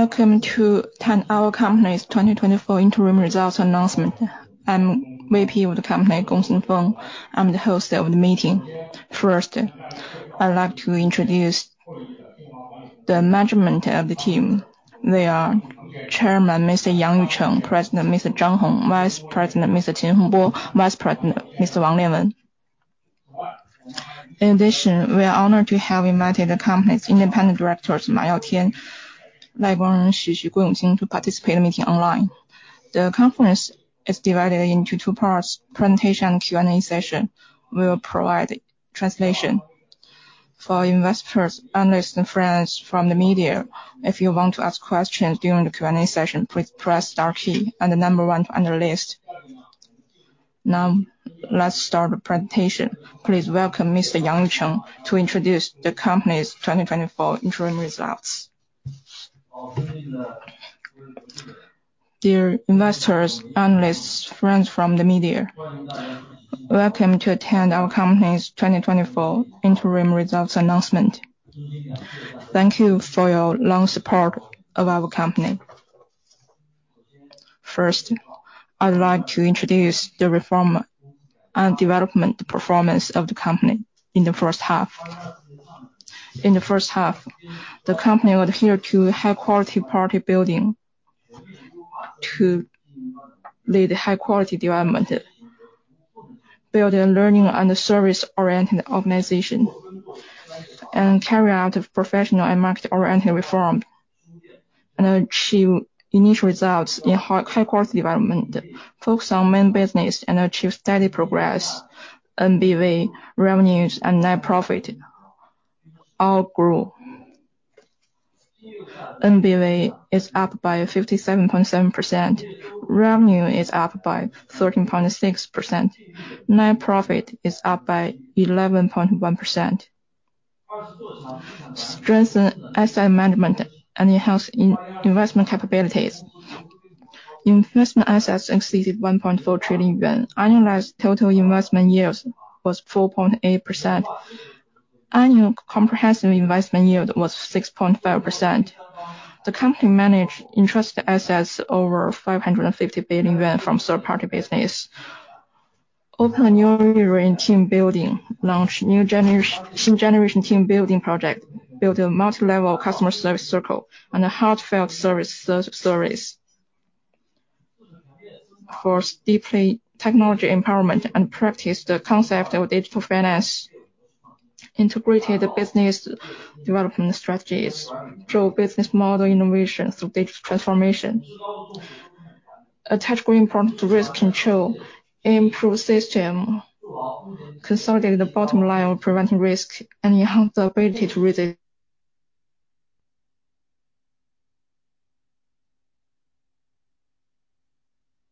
Welcome to our company's 2024 interim results announcement. I'm VP of the company, Gong Xingfeng. I'm the host of the meeting. First, I'd like to introduce the management of the team. They are Chairman, Mr. Yang Yudong, President, Mr. Zhang Hong, Vice President, Mr. Qin Hongbo, Vice President, Mr. Wang Lianwen. In addition, we are honored to have invited the company's independent directors, Ma Yiu Tim, Lai Guanrong, Xu Xu, Guo Yongqing, to participate in the meeting online. The conference is divided into two parts, presentation and Q&A session. We will provide translation for investors, analysts, and friends from the media. If you want to ask questions during the Q&A session, please press star key and the number one on your list. Now, let's start the presentation. Please welcome Mr. Yang Yudong to introduce the company's 2024 interim results. Dear investors, analysts, friends from the media, welcome to attend our company's 2024 Interim Results Announcement. Thank you for your long support of our company. First, I'd like to introduce the reform and development performance of the company in the first half. In the first half, the company adhered to high-quality party building to lead high-quality development, build a learning and a service-oriented organization, and carry out a professional and market-oriented reform, and achieve initial results in high-quality development, focus on main business and achieve steady progress. NBV, revenues, and net profit all grew. NBV is up by 57.7%. Revenue is up by 13.6%. Net profit is up by 11.1%. Strengthen asset management and enhance investment capabilities. Investment assets exceeded 1.4 trillion yuan. Annualized total investment yields was 4.8%. Annual comprehensive investment yield was 6.5%. The company managed entrusted assets over 550 billion yuan from third-party business. Opening a new era in team building, launched Xin Generation, Xin Generation team building project, built a multi-level customer service circle and a heartfelt service, service. Of course, deeply technology empowerment and practice the concept of digital finance, integrated the business development strategies, drove business model innovations through digital transformation. Attach great importance to risk control, improve system, consolidated the bottom line on preventing risk, and enhance the ability to resilience,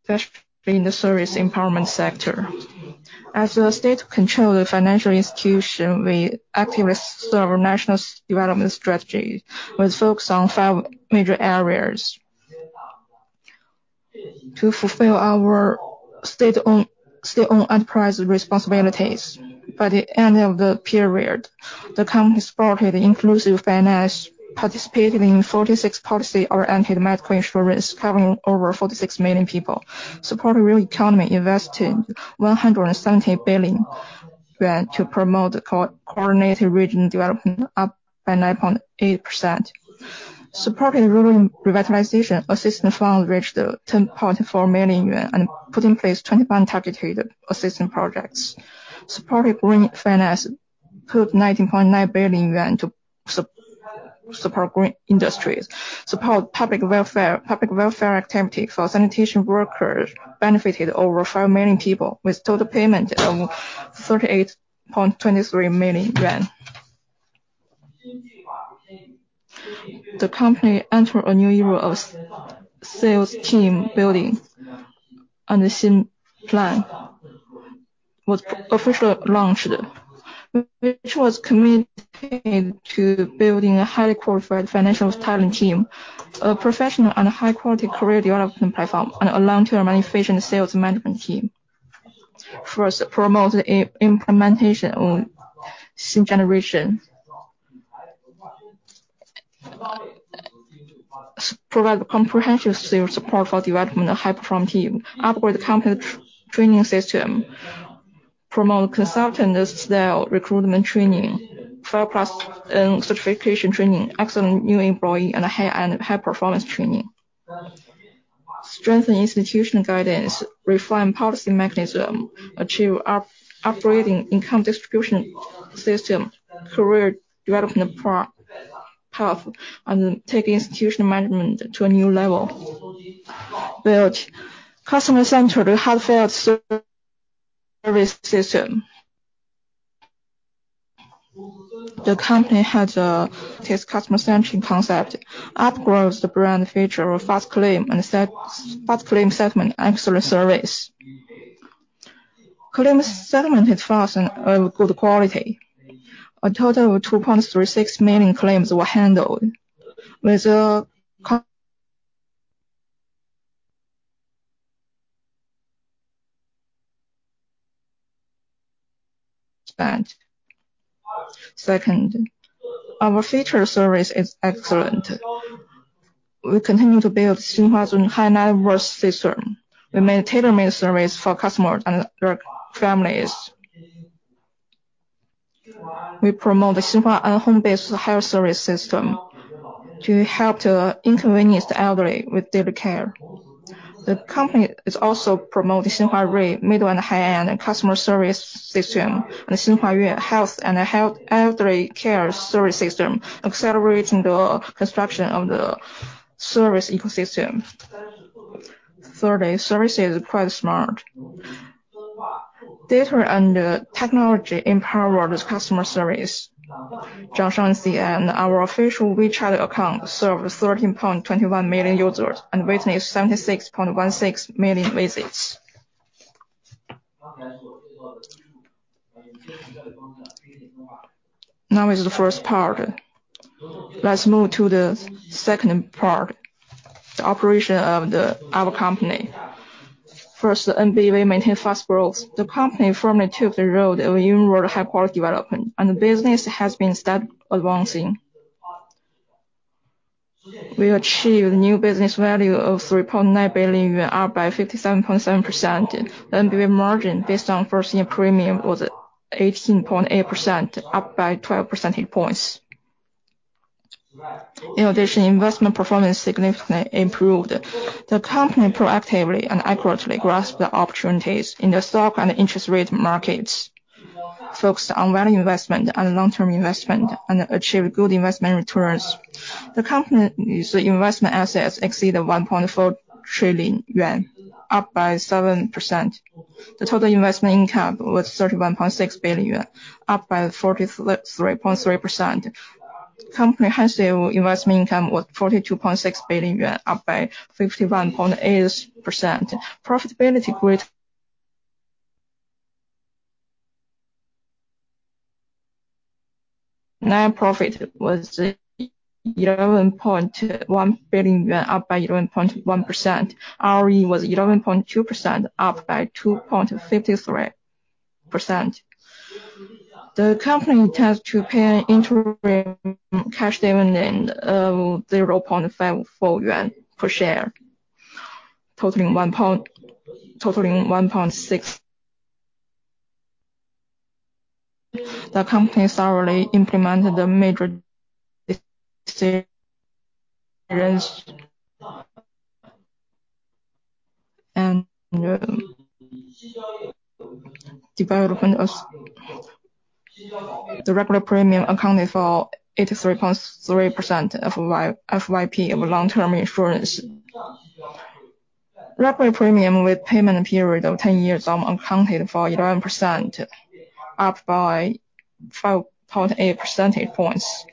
especially in the service empowerment sector. As a state-controlled financial institution, we actively serve our national development strategy, with focus on five major areas. To fulfill our state-owned enterprise responsibilities, by the end of the period, the company supported inclusive finance, participating in 46 policy-oriented medical insurance, covering over 46 million people. Supported real economy, investing 170 billion yuan to promote coordinated regional development, up by 9.8%. Supported rural revitalization, assistance fund reached 10.4 million yuan, and put in place 21 targeted assistance projects. Supported green finance, put 90.9 billion yuan to support green industries. Supported public welfare. Public welfare activity for sanitation workers benefited over 5 million people, with total payment of 38.23 million yuan. The company entered a new era of sales team building, and the same plan was officially launched, which was committed to building a highly qualified financial talent team, a professional and a high-quality career development platform, and a long-term efficient sales management team. First, promote the implementation of Xin Generation. Provide comprehensive sales support for development of high-performing team. Upgrade the company training system. Promote consultant-led style recruitment training, five-plus certification training, excellent new employee, and high-performance training. Strengthen institutional guidance, refine policy mechanism, achieve upgrading income distribution system, career development path, and take institutional management to a new level. Build customer-centric, heartfelt service system. The company has its customer-centric concept, upgrades the brand feature of fast claim settlement, excellent service. Claims settlement is fast and of good quality. A total of 2.36 million claims were handled. And second, our future service is excellent. We continue to build Xinhua's high-net-worth system. We made tailor-made service for customers and their families. We promote the Xinhua home-based health service system to help the inconvenienced elderly with daily care. The company is also promoting Xinhua Yi, middle and high-end customer service system, and the Xinhua Home health elderly care service system, accelerating the construction of the service ecosystem. Thirdly, service is quite smart. Data and technology empower this customer service. Xinhua Insurance, our official WeChat account, serves 13.21 million users and witnessed 76.16 million visits. Now is the first part. Let's move to the second part, the operation of our company. First, the NBV maintained fast growth. The company firmly took the road of universal high-quality development, and the business has been steadily advancing. We achieved new business value of 3.9 billion yuan, up by 57.7%. NBV margin based on first year premium was 18.8%, up by 12 percentage points. In addition, investment performance significantly improved. The company proactively and accurately grasped the opportunities in the stock and interest rate markets, focused on value investment and long-term investment, and achieved good investment returns. The company's investment assets exceeded 1.4 trillion yuan, up by 7%. The total investment income was 31.6 billion yuan, up by 43.3%. Comprehensive investment income was 42.6 billion yuan, up by 51.8%. Profitability growth... Net profit was 11.1 billion yuan, up by 11.1%. ROE was 11.2%, up by 2.53%. The company intends to pay interim cash dividend of 0.54 yuan per share, totaling 1.6. The company thoroughly implemented the major experience and development of the regular premium, accounted for 83.3% of FYP of long-term insurance. Regular premium with payment period of ten years accounted for 11%, up by 5.8 percentage points.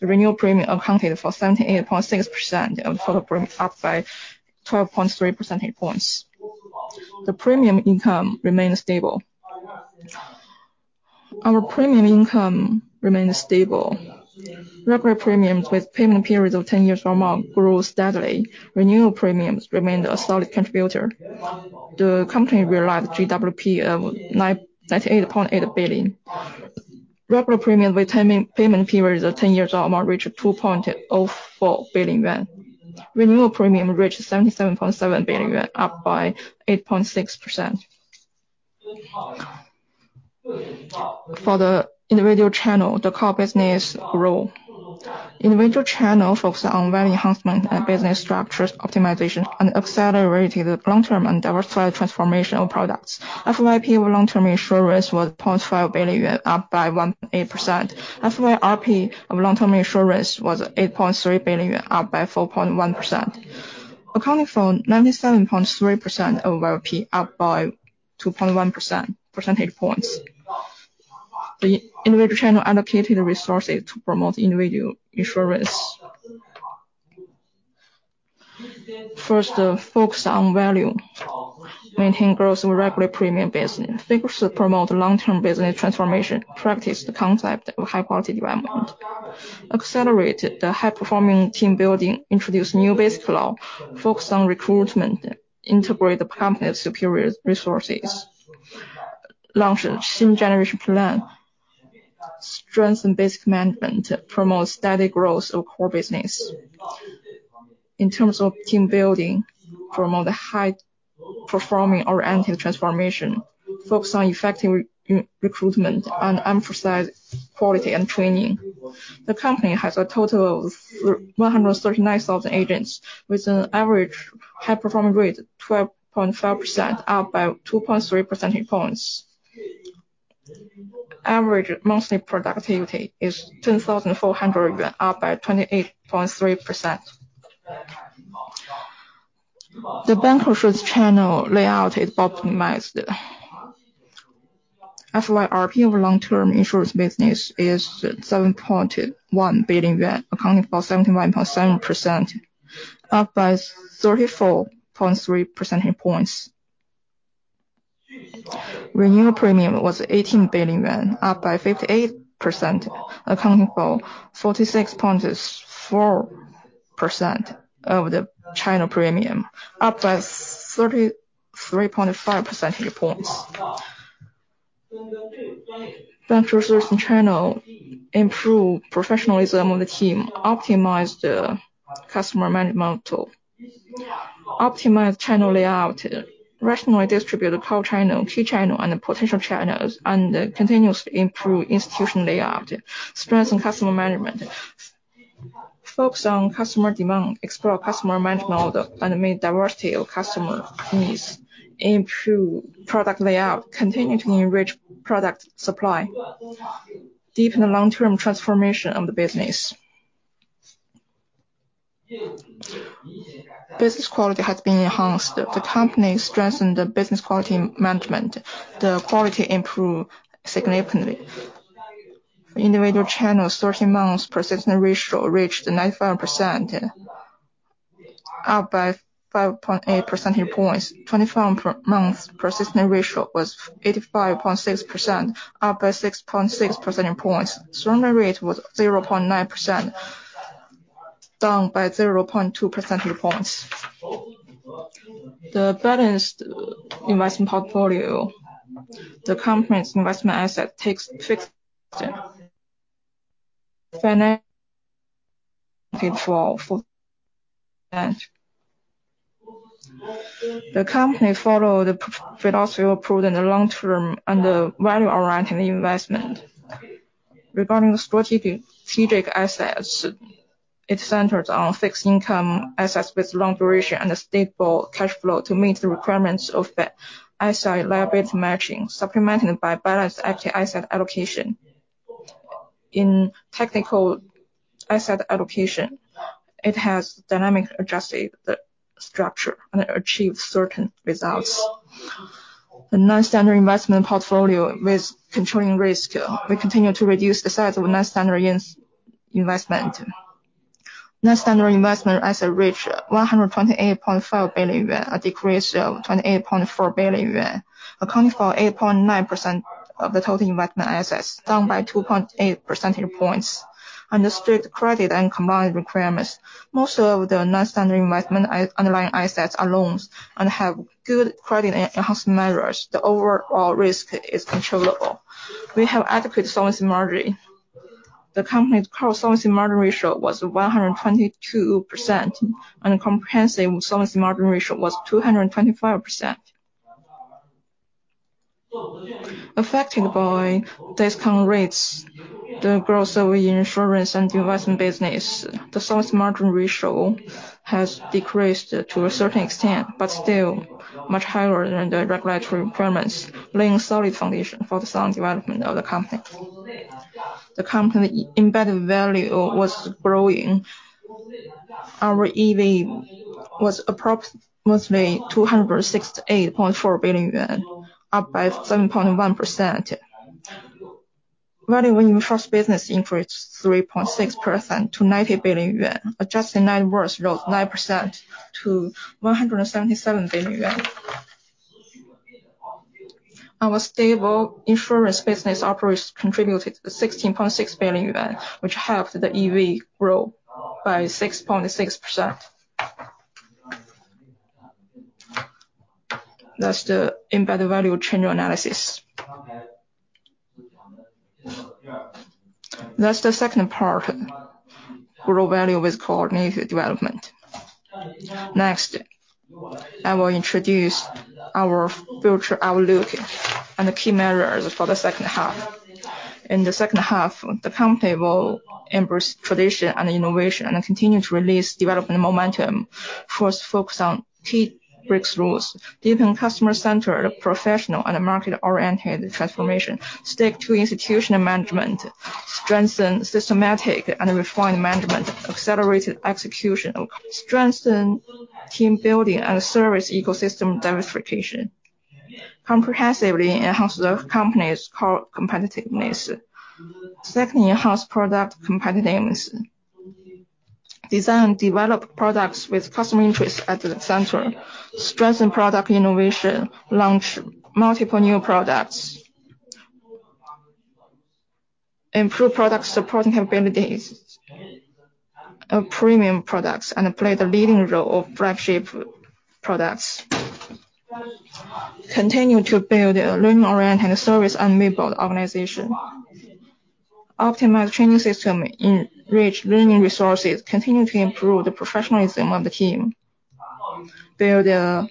The renewal premium accounted for 78.6% of total premium, up by 12.3 percentage points. The premium income remained stable. Our premium income remained stable. Regular premiums with payment periods of ten years or more grew steadily. Renewal premiums remained a solid contributor. The company realized GWP of 998.8 billion. Regular premium with ten-year payment periods of ten years or more reached 2.04 billion yuan. Renewal premium reached 77.7 billion yuan, up by 8.6%. For the individual channel, the core business grew. Individual channel focused on value enhancement and business structures optimization, and accelerated the long-term and diversified transformation of products. FYP of long-term insurance was 0.5 billion, up by 18%. FYRP of long-term insurance was 8.3 billion, up by 4.1%. Accounting for 97.3% of FYP, up by 2.1 percentage points. The individual channel allocated resources to promote individual insurance. First, focus on value. Maintain growth in regular premium business. Figures to promote long-term business transformation. Practice the concept of high-quality development. Accelerate the high-performing team building. Introduce new base flow. Focus on recruitment. Integrate the company's superior resources. Launch a Xin Generation plan. Strengthen base management. Promote steady growth of core business. In terms of team building, promote the high-performing oriented transformation. Focus on effective re-recruitment and emphasize quality and training. The company has a total of 139,000 agents, with an average high performance rate of 12.5%, up by 2.3 percentage points. Average monthly productivity is 10,400 yuan, up by 28.3%. The bank insurance channel layout is optimized. FYRP of long-term insurance business is 7.1 billion yuan, accounting for 71.7%, up by 34.3 percentage points. Renewal premium was 18 billion yuan, up by 58%, accounting for 46.4% percent of the China premium, up by 33.5 percentage points. Bank resources in China improve professionalism of the team, optimize the customer management tool, optimize channel layout, rationally distribute the core channel, key channel, and the potential channels, and continuously improve institution layout, strengthen customer management. Focus on customer demand, explore customer management model, and meet diversity of customer needs, improve product layout, continue to enrich product supply, deepen the long-term transformation of the business. Business quality has been enhanced. The company strengthened the business quality management. The quality improved significantly. Individual channels, 13-month persistence ratio reached 95%, up by 5.8 percentage points. 25-month persistence ratio was 85.6%, up by 6.6 percentage points. Surrender rate was 0.9%, down by 0.2 percentage points. The balanced investment portfolio, the company's investment asset takes fixed. The company followed the philosophy approved in the long term and the value-oriented investment. Regarding the strategic assets, it centers on fixed income assets with long duration and a stable cash flow to meet the requirements of the asset-liability matching, supplemented by balanced active asset allocation. In technical asset allocation, it has dynamically adjusted the structure and achieved certain results. The non-standard investment portfolio with controlling risk, we continue to reduce the size of non-standard investment. Non-standard investment, as it reached 128.5 billion yuan, a decrease of 28.4 billion yuan, accounting for 8.9% of the total investment assets, down by 2.8 percentage points. Under strict credit and combined requirements, most of the non-standard investment underlying assets are loans and have good credit enhancement measures. The overall risk is controllable. We have adequate solvency margin. The company's core solvency margin ratio was 122%, and comprehensive solvency margin ratio was 225%. Affected by discount REITs, the growth of insurance and investment business, the solvency margin ratio has decreased to a certain extent, but still much higher than the regulatory requirements, laying solid foundation for the sound development of the company. The company embedded value was growing. Our EV was approximately 268.4 billion yuan, up 7.1%. Value of new insurance business increased 3.6% to 90 billion yuan, adjusted net worth grew 9% to 177 billion yuan. Our stable insurance business operations contributed 16.6 billion yuan, which helped the EV grow by 6.6%. That's the embedded value change analysis. That's the second part, grow value with coordinated development. Next, I will introduce our future outlook and the key measures for the second half. In the second half, the company will embrace tradition and innovation, and continue to release development momentum. First, focus on key business rules, deepen customer-centric, professional, and market-oriented transformation. Stick to institutional management, strengthen systematic and refined management, accelerated execution, strengthen team building and service ecosystem diversification. Comprehensively enhance the company's core competitiveness. Secondly, enhance product competitiveness. Design, develop products with customer interests at the center. Strengthen product innovation. Launch multiple new products. Improve product supporting capabilities of premium products, and play the leading role of flagship products. Continue to build a learning-oriented service enabled organization. Optimize training system, enrich learning resources, continue to improve the professionalism of the team. Build a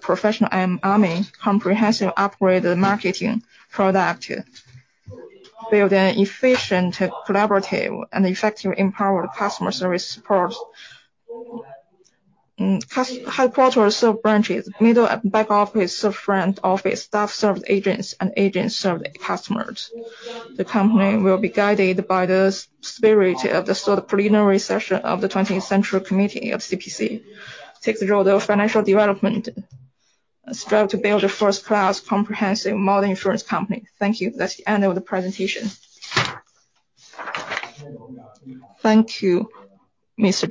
professional army, comprehensive upgrade the marketing product. Build an efficient, collaborative, and effective empowered customer service support. Headquarters serve branches, middle and back office serve front office, staff serve agents, and agents serve the customers. The company will be guided by the spirit of the third plenary session of the twentieth Central Committee of CPC. Take the role of financial development and strive to build a first-class comprehensive modern insurance company. Thank you. That's the end of the presentation. Thank you, Mr.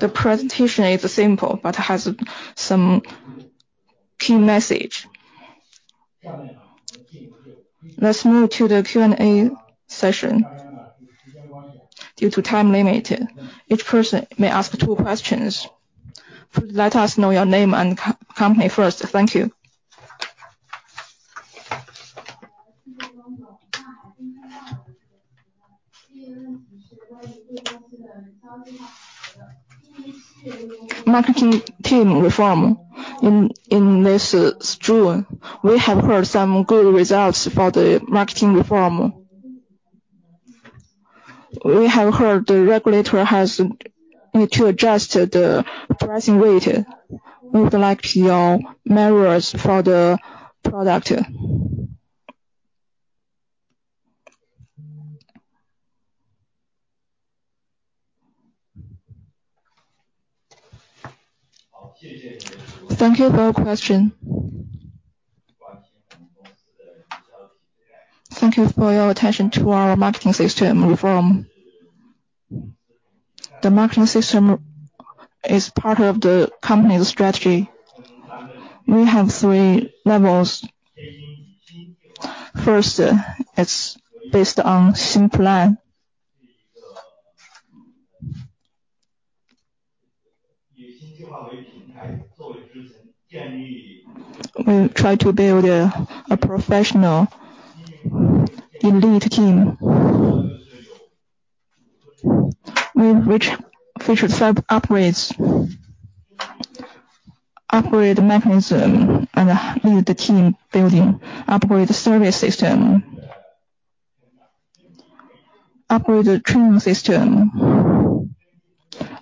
The presentation is simple, but has some key message. Let's move to the Q&A session. Due to time limit, each person may ask two questions. Please let us know your name and company first. Thank you. Marketing team reform. In this June, we have heard some good results for the marketing reform. We have heard the regulator has need to adjust the pricing rate. We would like your measures for the product. Thank you for your question. Thank you for your attention to our marketing system reform. The marketing system is part of the company's strategy. We have three levels. First, it's based on simple plan. We try to build a professional elite team. We should self-upgrade, upgrade the mechanism and lead the team building, upgrade the service system, upgrade the training system,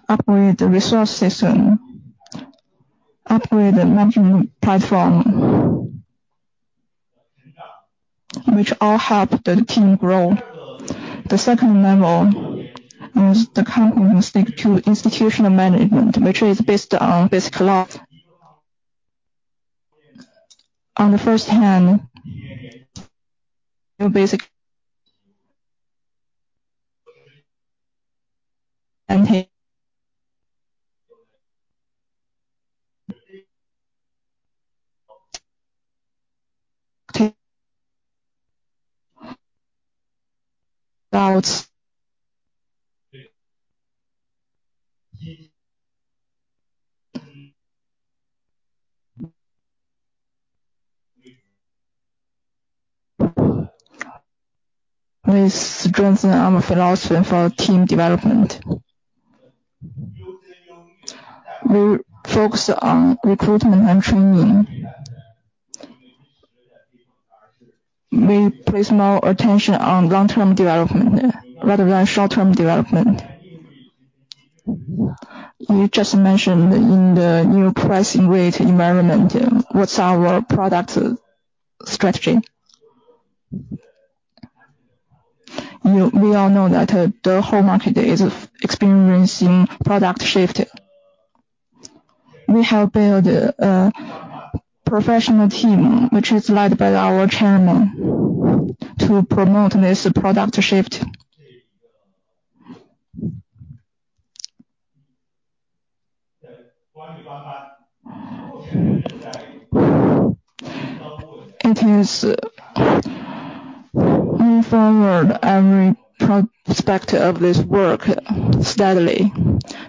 upgrade the resource system, upgrade the management platform, which all help the team grow. The second level is the company stick to institutional management, which is based on Basic Law. This strengthen our philosophy for team development. We focus on recruitment and training. We place more attention on long-term development rather than short-term development. You just mentioned in the new pricing rate environment, what's our product strategy? We all know that, the whole market is experiencing product shift. We have built a professional team, which is led by our chairman to promote this product shift. It is move forward every prospect of this work steadily.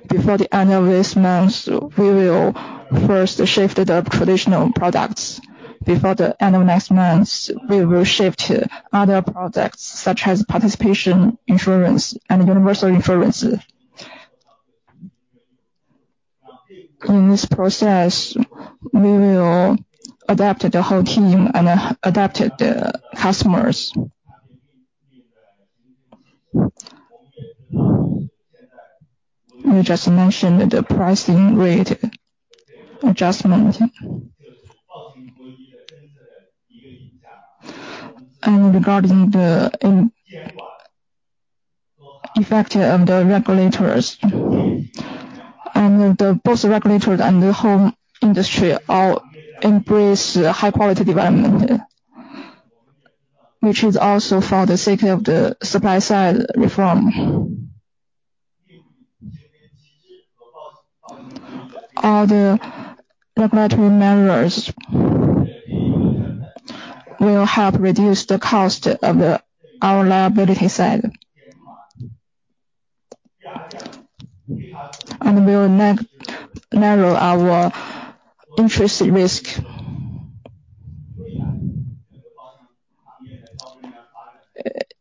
Before the end of this month, we will first shift the traditional products. Before the end of next month, we will shift to other products such as participating insurance and universal insurance. In this process, we will adapt the whole team and adapt the customers. You just mentioned the pricing rate adjustment. Regarding the influence of the regulators, both the regulators and the whole industry all embrace high-quality development, which is also for the sake of the supply-side reform. All the regulatory measures will help reduce the cost of our liability side. And will narrow our interest risk.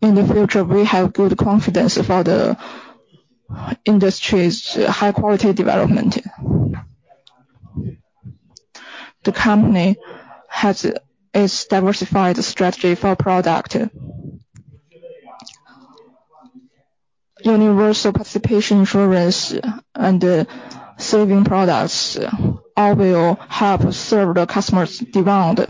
In the future, we have good confidence for the industry's high-quality development. The company has its diversified strategy for products. Universal participating insurance and savings products all will help serve the customers' demand.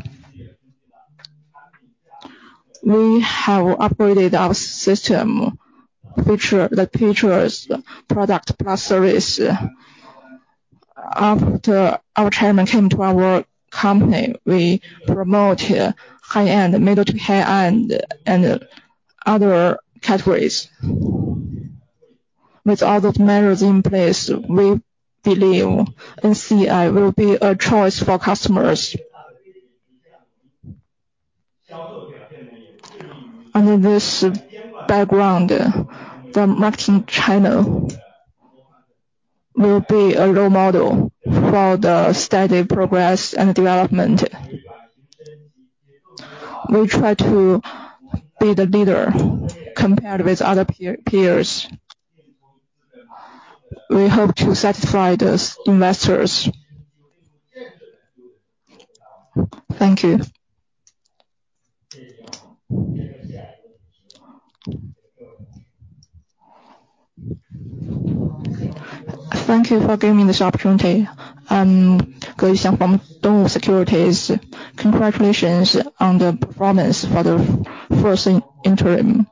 We have upgraded our system, which the patrons, product plus service. After our chairman came to our company, we promote high-end, middle to high-end, and other categories. With all those measures in place, we believe NCI will be a choice for customers. Under this background, the market in China will be a role model for the steady progress and development. We try to be the leader compared with other peers. We hope to satisfy those investors. Thank you. Thank you for giving me this opportunity. Can you hear from Orient Securities. Congratulations on the performance for the first interim.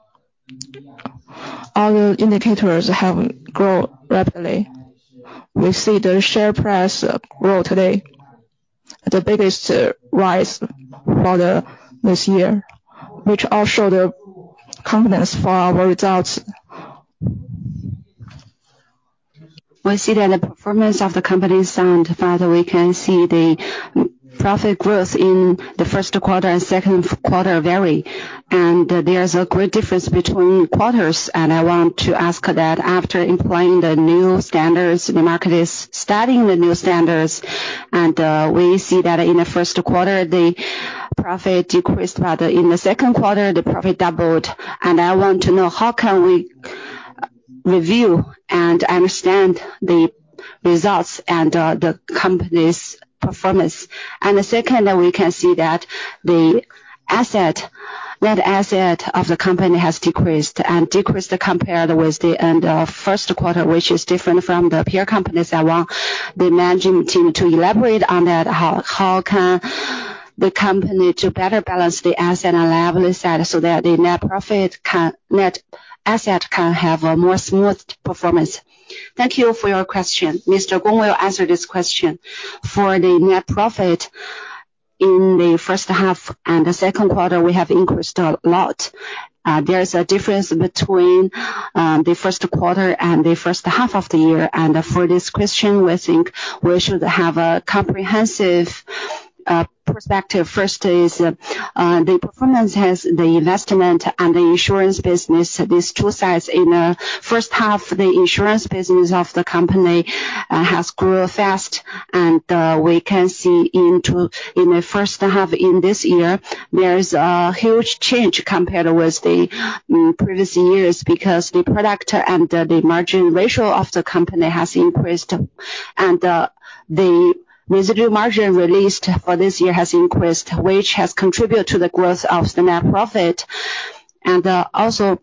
All the indicators have grown rapidly. We see the share price grow today, the biggest rise for this year, which all show the confidence for our results. We see that the performance of the company is sound. Further, we can see the profit growth in the first quarter and second quarter vary, and there's a great difference between quarters. And I want to ask that after employing the new standards, the market is studying the new standards. And, we see that in the first quarter, the profit decreased, but in the second quarter, the profit doubled. And I want to know how can we review and understand the results and, the company's performance? And the second, that we can see that the asset, net asset of the company has decreased and decreased compared with the end of first quarter, which is different from the peer companies. I want the management team to elaborate on that. How can the company to better balance the asset and liability side, so that the net asset can have a more smooth performance? Thank you for your question. Mr. Gong will answer this question. For the net profit in the first half and the second quarter, we have increased a lot. There is a difference between the first quarter and the first half of the year, and for this question, we think we should have a comprehensive perspective. First is the performance has the investment and the insurance business. These two sides in the first half, the insurance business of the company has grown fast, and we can see into... In the first half in this year, there is a huge change compared with the previous years, because the product and the margin ratio of the company has increased, and the residual margin released for this year has increased, which has contributed to the growth of the net profit. And also,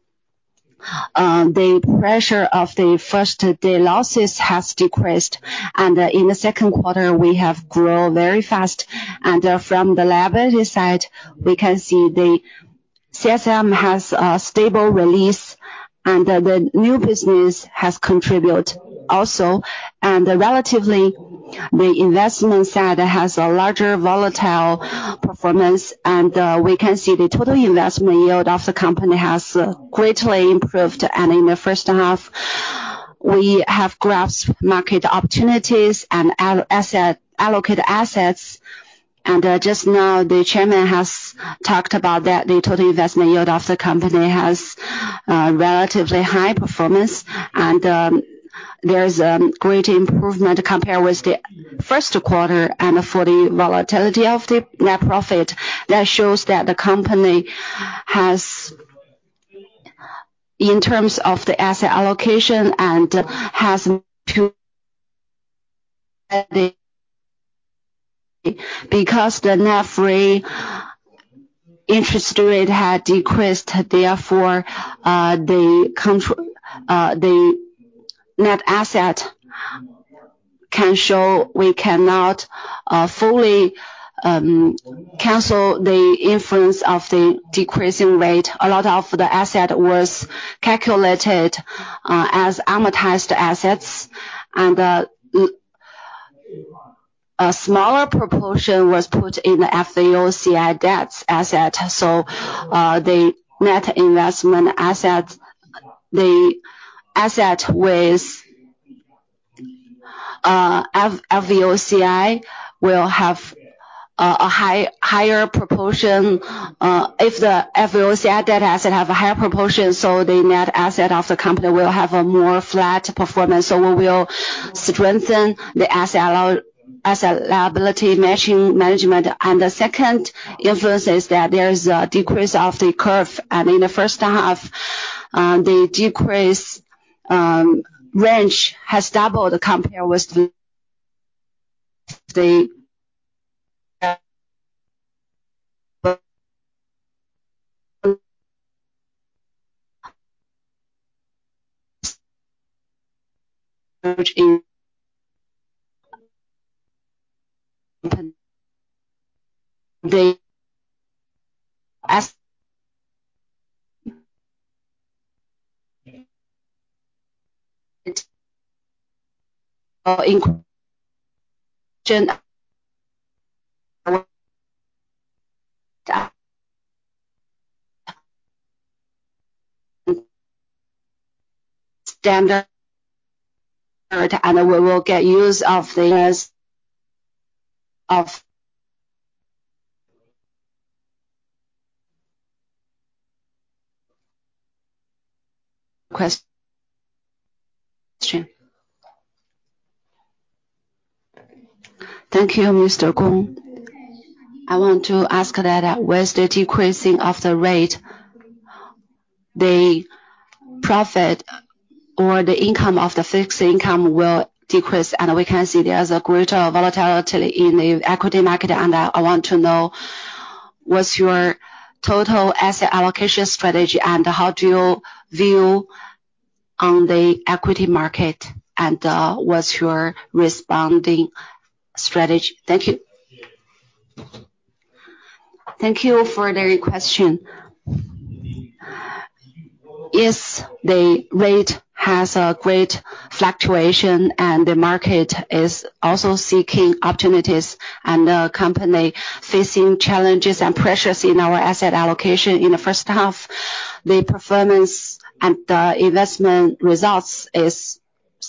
the pressure of the first, the losses has decreased, and in the second quarter, we have grown very fast. And from the liability side, we can see the CSM has a stable release and the new business has contributed also. And relatively, the investment side has a larger volatile performance, and we can see the total investment yield of the company has greatly improved. And in the first half, we have grasped market opportunities and allocate assets. Just now, the chairman has talked about that the total investment yield of the company has relatively high performance, and there's a great improvement compared with the first quarter. For the volatility of the net profit, that shows that the company has, in terms of the asset allocation because the net free interest rate had decreased, therefore, the control, the net asset can show we cannot fully cancel the influence of the decreasing rate. A lot of the asset was calculated as amortized assets, and a smaller proportion was put in the FVOCI debts asset. The net investment asset, the asset with FVOCI will have a higher proportion. If the FVOCI debt asset have a higher proportion, so the net asset of the company will have a more flat performance. So we will strengthen the asset liability matching management. And the second influence is that there is a decrease of the curve. And in the first half, the decrease range has doubled compared with the. Thank you, Mr. Gong. I want to ask that, with the decreasing of the rate, the profit or the income of the fixed income will decrease, and we can see there's a greater volatility in the equity market. And, I want to know, what's your total asset allocation strategy, and how do you view on the equity market, and, what's your responding strategy? Thank you. Thank you for the question. Yes, the rate has a great fluctuation, and the market is also seeking opportunities, and the company facing challenges and pressures in our asset allocation. In the first half, the performance and the investment results is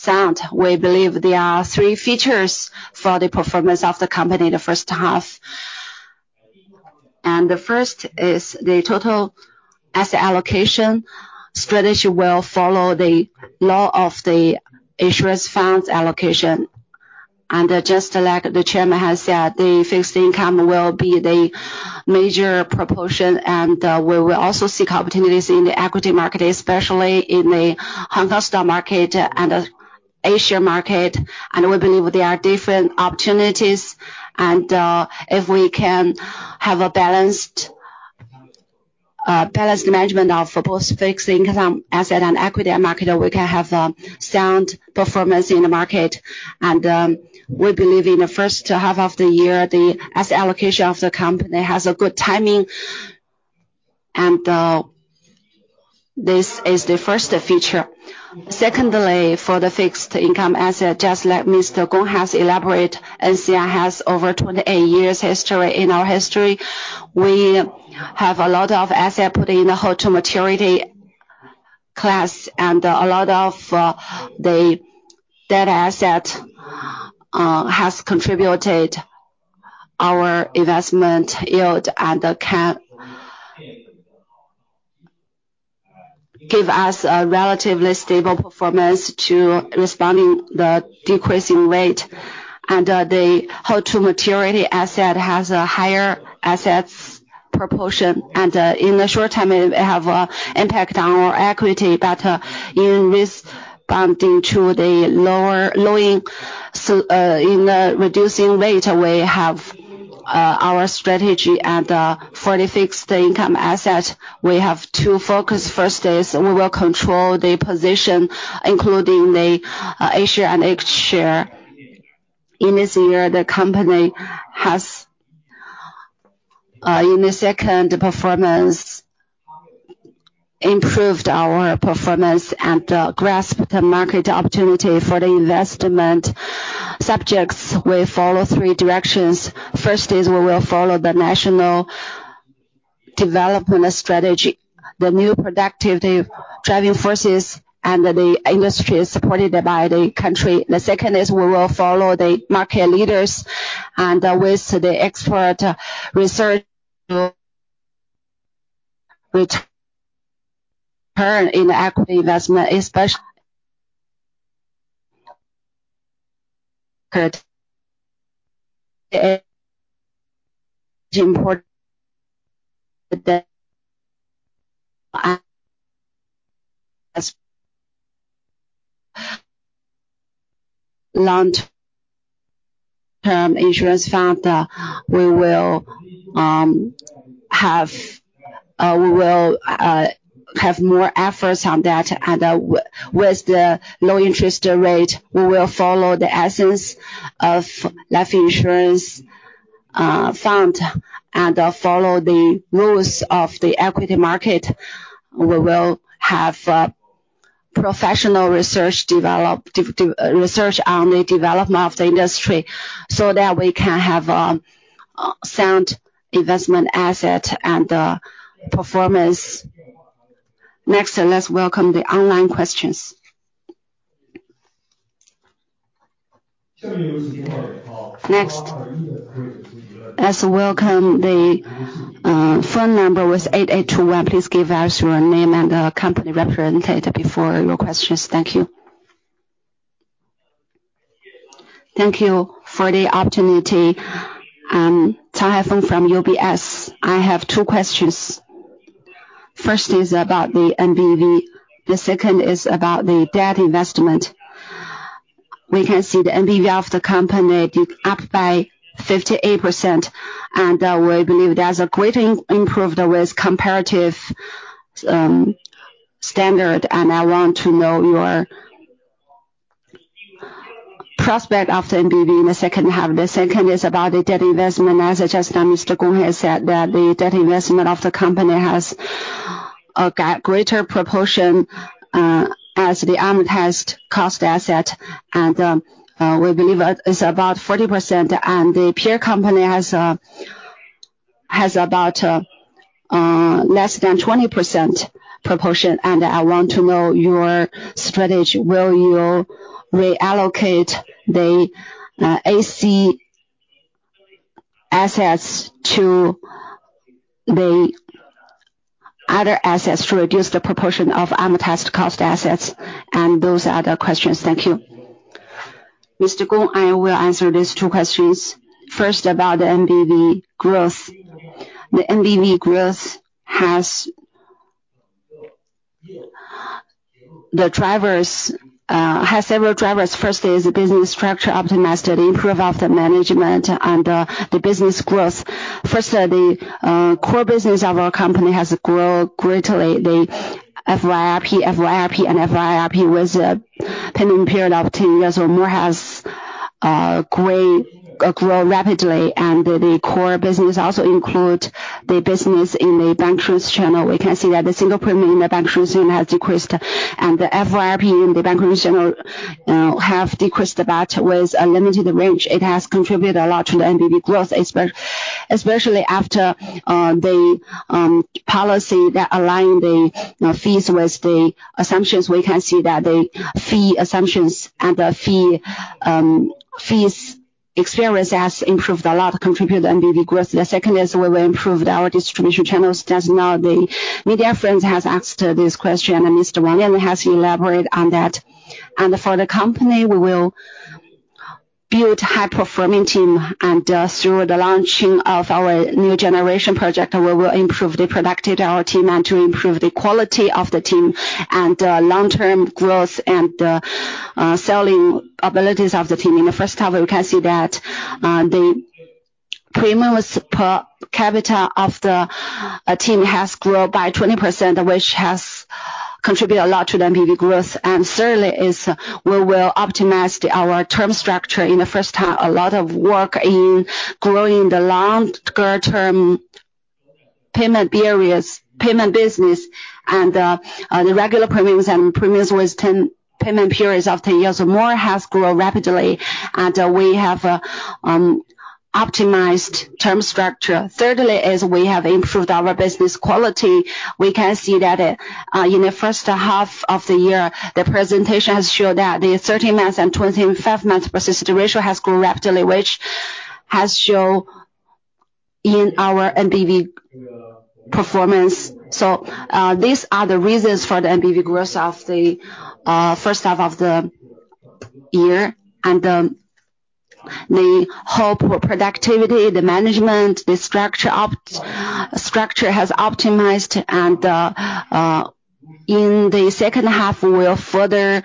sound. We believe there are three features for the performance of the company the first half, and the first is the total asset allocation strategy will follow the law of the insurance funds allocation, and just like the chairman has said, the fixed income will be the major proportion, and we will also seek opportunities in the equity market, especially in the Hong Kong stock market and the Asia market, and we believe there are different opportunities, and if we can have a balanced management of both fixed income asset and equity market, we can have a sound performance in the market. We believe in the first half of the year, the asset allocation of the company has a good timing, and this is the first feature. Secondly, for the fixed income asset, just like Mr. Gong has elaborated, NCI has over twenty-eight years history. In our history, we have a lot of asset put in the hold-to-maturity class, and a lot of that asset has contributed our investment yield and can give us a relatively stable performance to responding the decreasing rate. The hold-to-maturity asset has a higher assets proportion, and in the short term, it have a impact on our equity. But in risk bonding to the lower, lowering, so in the reducing rate, we have our strategy. For the fixed income asset, we have two focus. First is we will control the position, including the A-share and H-share. In this year, the company has in the second performance improved our performance and grasped the market opportunity. For the investment subjects, we follow three directions. First is we will follow the national development strategy, the new productivity driving forces and the industry supported by the country. The second is we will follow the market leaders and with the expert research return in equity investment, especially long-term insurance fund, we will have more efforts on that. And with the low interest rate, we will follow the essence of life insurance fund and follow the rules of the equity market. We will have professional research development research on the development of the industry so that we can have sound investment asset and performance. Next, let's welcome the online questions. Next, let's welcome the phone number with eight eight two one. Please give us your name and company representative before your questions. Thank you. Thank you for the opportunity. Haifeng from UBS. I have two questions. First is about the NBV, the second is about the debt investment. We can see the NBV of the company did up by 58%, and we believe that's a great improved with comparative standard, and I want to know your prospect of the NBV in the second half. The second is about the debt investment. As I just now, Mr. Gong has said that the debt investment of the company has a greater proportion as the amortized cost asset, and we believe it is about 40%, and the peer company has about less than 20% proportion. I want to know your strategy. Will you reallocate the AC assets to the other assets to reduce the proportion of amortized cost assets? Those are the questions. Thank you. Mr. Gong, I will answer these two questions. First, about the NBV growth. The NBV growth has the drivers has several drivers. First, is the business structure optimized, it improve after management and the business growth. First, the core business of our company has grown greatly. The FYRP was a pending period of ten years or more, has greatly grown rapidly, and the core business also include the business in the bank insurance channel. We can see that the single premium in the bank insurance has decreased, and the FYRP in the bank insurance channel have decreased, but with a limited range. It has contributed a lot to the NBV growth, especially after the policy that align the fees with the assumptions. We can see that the fee assumptions and the fees experience has improved a lot, contributed to NBV growth. The second is we will improve our distribution channels. Just now, the media friends has asked this question, and Mr. Wang has elaborated on that. And for the company, we will build high-performing team, and through the launching of our new generation project, we will improve the productivity our team and to improve the quality of the team and long-term growth and selling abilities of the team. In the first half, we can see that the premiums per capita of the team has grown by 20%, which has contributed a lot to the NBV growth. And thirdly is we will optimize our term structure. In the first half, a lot of work in growing the long-term payment periods, payment business, and the regular premiums and premiums with 10 payment periods of 10 years or more has grown rapidly, and we have optimized term structure. Thirdly, is we have improved our business quality. We can see that, in the first half of the year, the presentation has showed that the 13 months and 25 months persistence ratio has grown rapidly, which has shown in our NBV performance, so these are the reasons for the NBV growth of the, first half of the year, and, the whole productivity, the management, the structure structure has optimized, and, in the second half, we will further,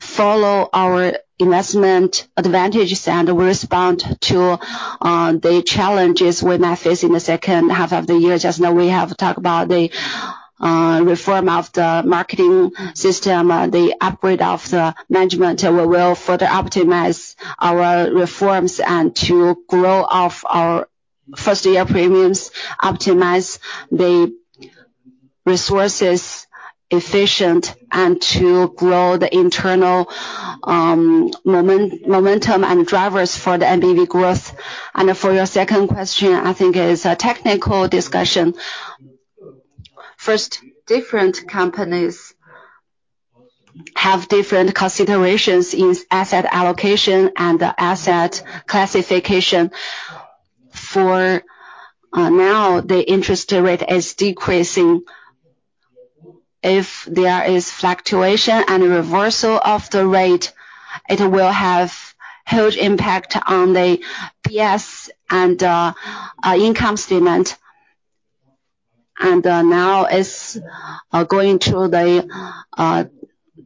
follow our investment advantages and respond to, the challenges we may face in the second half of the year. Just now, we have talked about the, reform of the marketing system, the upgrade of the management. We will further optimize our reforms and to grow off our first year premiums, optimize the resources efficient, and to grow the internal, momentum and drivers for the NBV growth. For your second question, I think it is a technical discussion. First, different companies have different considerations in asset allocation and the asset classification. For now, the interest rate is decreasing. If there is fluctuation and reversal of the rate, it will have huge impact on the PS and income statement. Now it's going through the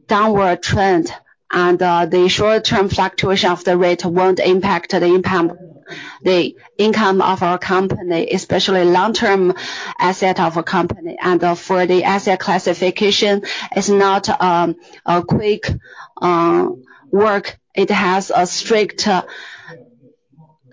downward trend, and the short-term fluctuation of the rate won't impact the income of our company, especially long-term asset of a company. For the asset classification is not a quick work. It has a strict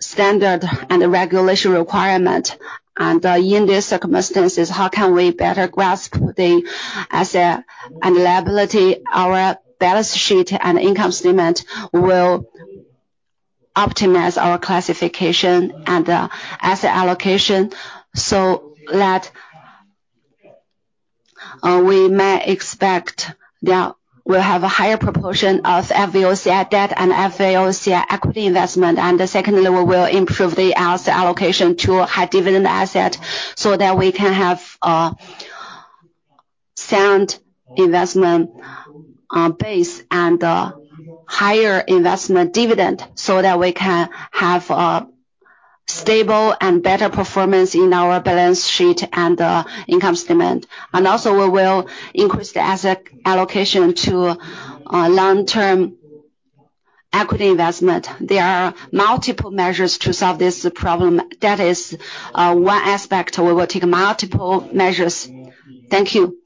standard and regulation requirement. In this circumstances, how can we better grasp the asset and liability? Our balance sheet and income statement will optimize our classification and asset allocation so that we may expect that we'll have a higher proportion of FVOCI debt and FVOCI equity investment. The second level will improve the asset allocation to a high dividend asset, so that we can have a sound investment base and a higher investment dividend, so that we can have a stable and better performance in our balance sheet and income statement. Also, we will increase the asset allocation to long-term equity investment. There are multiple measures to solve this problem. That is one aspect. We will take multiple measures. Thank you.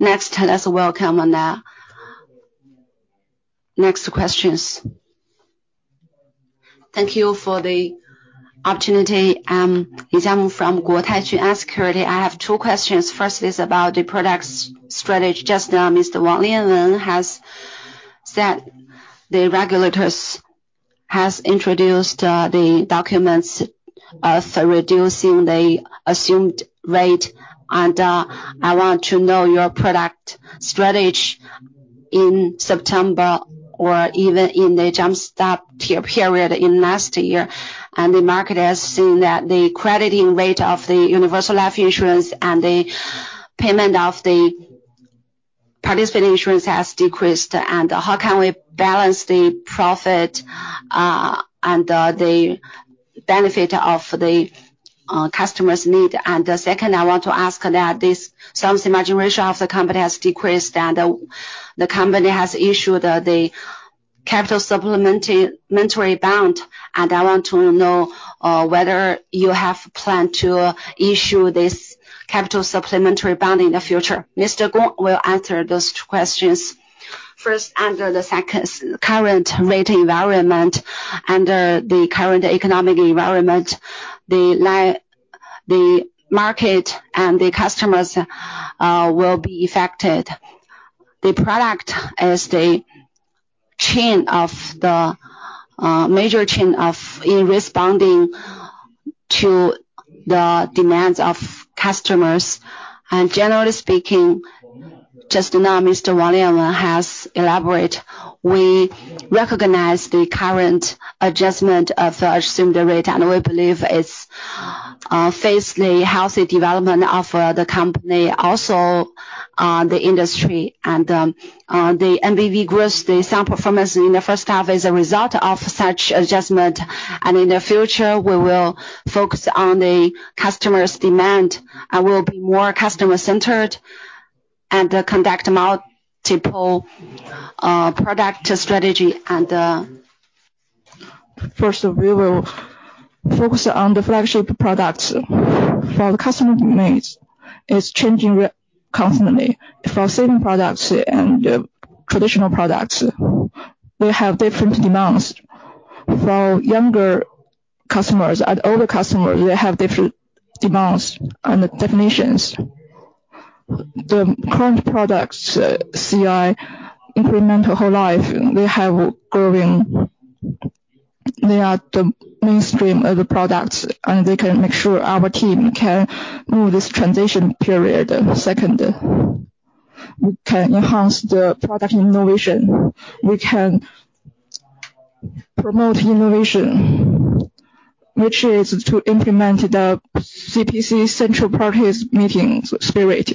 Next, let's welcome the next questions. Thank you for the opportunity. Zhang Yi from Guotai Junan Securities. I have two questions. First is about the product strategy. Just now, Mr. Wang Lianwen has said the regulators has introduced, the documents as reducing the assumed rate, and, I want to know your product strategy in September or even in the jumpstart period in last year. And the market has seen that the crediting rate of the universal life insurance and the payment of the participating insurance has decreased. And how can we balance the profit, and, the benefit of the customers' need? And the second, I want to ask that this sales margin ratio of the company has decreased, and the company has issued, the capital supplementary bond, and I want to know, whether you have plan to issue this capital supplementary bond in the future. Mr. Gong will answer those two questions. First, under the current rate environment and the current economic environment, the market and the customers will be affected. The product is the chain of the major chain of in responding to the demands of customers. Generally speaking, just now, Mr. Wang Lianwen has elaborated, we recognize the current adjustment of the assumed rate, and we believe it faces the healthy development of the company, also the industry. The NBV growth, the sales performance in the first half is a result of such adjustment, and in the future, we will focus on the customer's demand and we'll be more customer-centered and conduct multiple product strategy. First, we will focus on the flagship products. For the customer demands, it's changing constantly. For certain products and traditional products, they have different demands. For younger customers and older customers, they have different demands and definitions. The current products, CI, increasing whole life, they are the mainstream of the products, and they can make sure our team can move this transition period. Second, we can enhance the product innovation. We can promote innovation, which is to implement the CPC, central parties meeting spirit.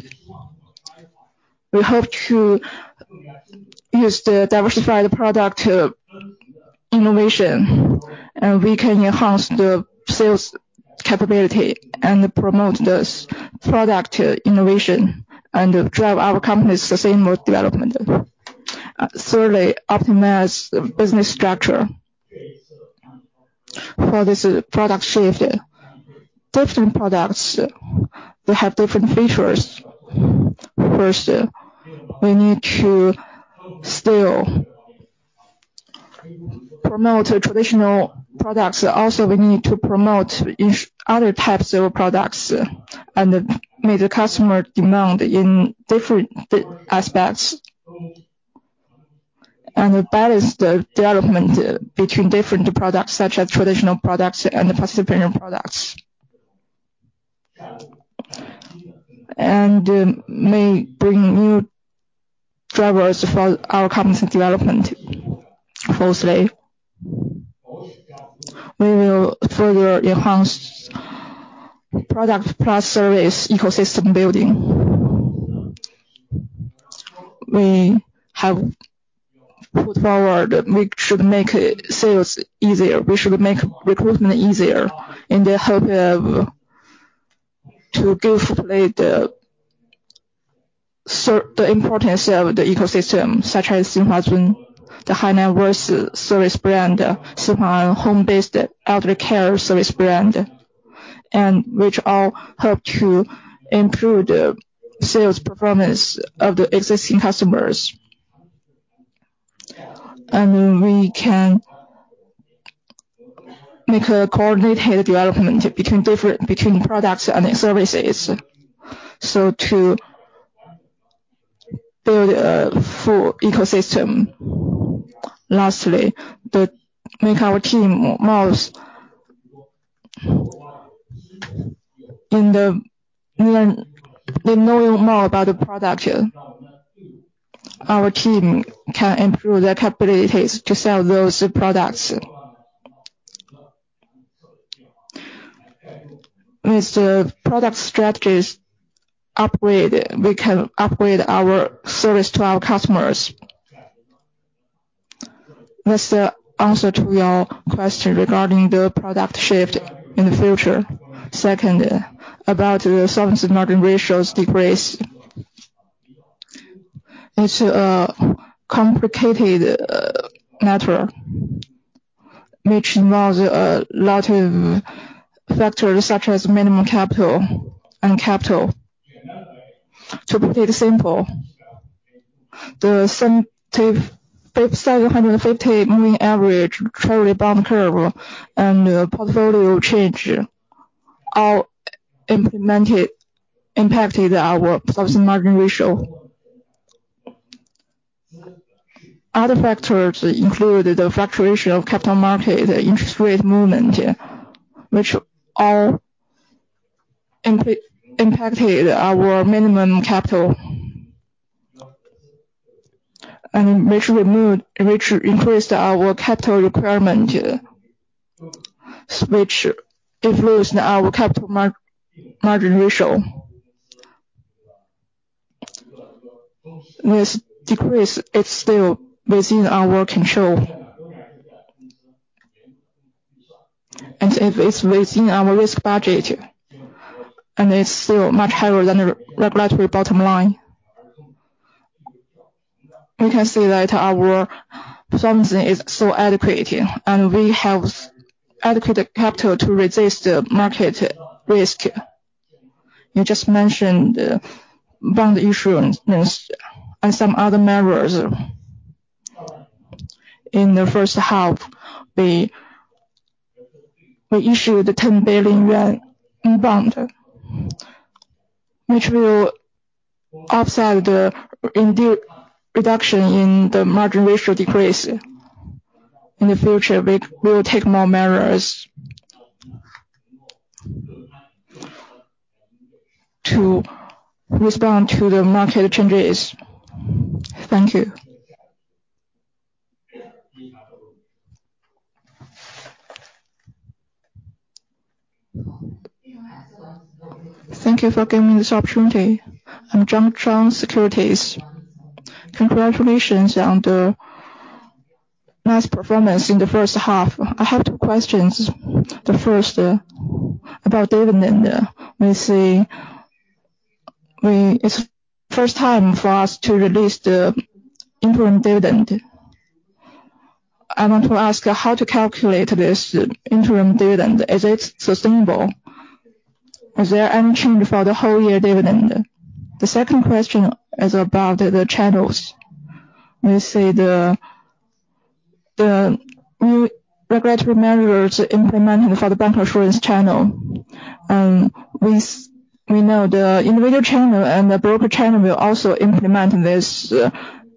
We hope to use the diversified product, innovation, and we can enhance the sales capability and promote this product, innovation and drive our company's sustainable development. Thirdly, optimize the business structure. For this product shift, different products, they have different features. First, we need to still promote traditional products. Also, we need to promote each other types of products and meet the customer demand in different aspects, and balance the development between different products, such as traditional products and participating products. May bring new drivers for our company's development. Fourthly, we will further enhance product plus service ecosystem building. We have put forward, we should make sales easier. We should make recruitment easier in the hope of to give play the importance of the ecosystem, such as enhancing the high-net-worth service brand, supply home-based elder care service brand, and which all help to improve the sales performance of the existing customers. We can make a coordinated development between different between products and services, so to build a full ecosystem. Lastly, to make our team more in the know, in knowing more about the product, our team can improve their capabilities to sell those products. With the product strategies upgrade, we can upgrade our service to our customers. That's the answer to your question regarding the product shift in the future. Second, about the service margin ratios decrease. It's a complicated matter, which involves a lot of factors such as minimum capital and capital. To put it simple, the 750-day moving average treasury bond curve and the portfolio change impacted our margin ratio. Other factors include the fluctuation of capital market, the interest rate movement, which impacted our minimum capital, and which increased our capital requirement, which influenced our capital margin ratio. This decrease is still within our control. And if it's within our risk budget, and it's still much higher than the regulatory bottom line, we can see that our position is still adequate, and we have adequate capital to resist the market risk. You just mentioned bond issuance and some other measures. In the first half, we issued CNY 10 billion in bonds, which will offset the yield reduction in the margin ratio decrease. In the future, we will take more measures to respond to the market changes. Thank you. Thank you for giving me this opportunity. I'm from Changjiang Securities. Congratulations on the nice performance in the first half. I have two questions. The first, about dividend. We see it's first time for us to release the interim dividend. I want to ask you, how to calculate this interim dividend? Is it sustainable? Is there any change for the whole year dividend? The second question is about the channels. We see the new regulatory measures implemented for the bank insurance channel, and we know the individual channel and the broker channel will also implement this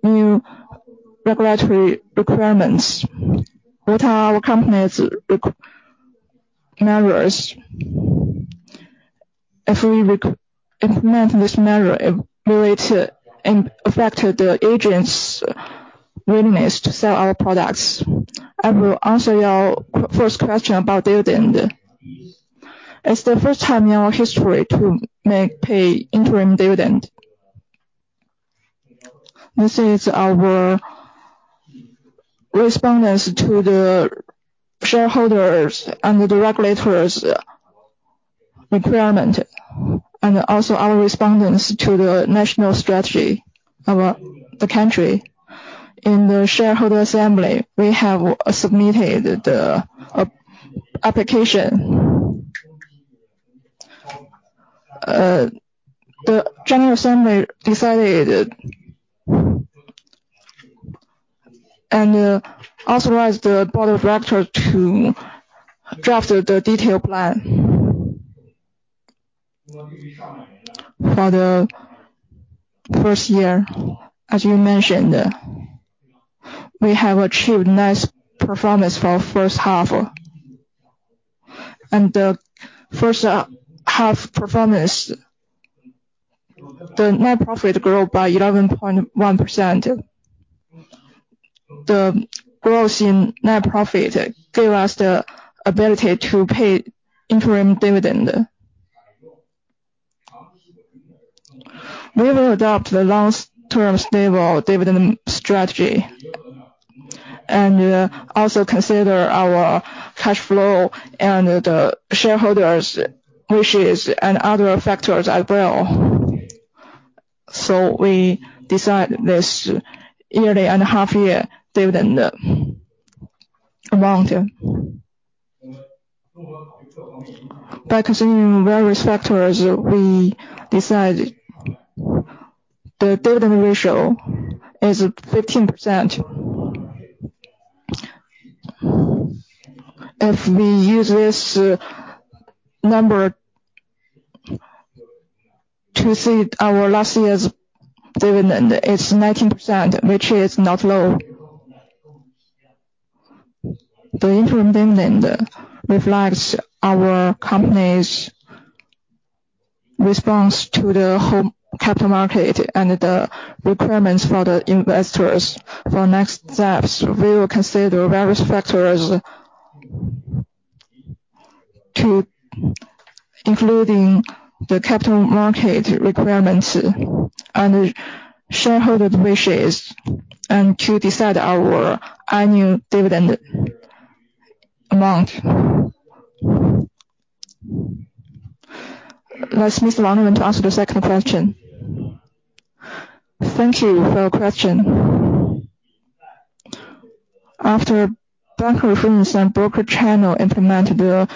new regulatory requirements. What are our company's response measures? If we re-implement this measure, will it affect the agents' willingness to sell our products? I will answer your first question about dividend. It's the first time in our history to make pay interim dividend. This is our response to the shareholders and the regulators' requirement, and also our response to the national strategy of the country. In the shareholder assembly, we have submitted the application. The general assembly decided and authorized the board of directors to draft the detailed plan. For the first year, as you mentioned, we have achieved nice performance for first half. The first half performance, the net profit grew by 11.1%. The growth in net profit gave us the ability to pay interim dividend. We will adopt the long-term stable dividend strategy, and also consider our cash flow and the shareholders' wishes and other factors as well. We decide this yearly and half year dividend amount. By considering various factors, we decide the dividend ratio is 15%. If we use this number to see our last year's dividend, it's 19%, which is not low. The interim dividend reflects our company's response to the whole capital market and the requirements for the investors. For next steps, we will consider various factors including the capital market requirements and shareholder wishes, and to decide our annual dividend amount. Let me ask Mr. Wang to answer the second question. Thank you for your question. After bank insurance and broker channel implemented the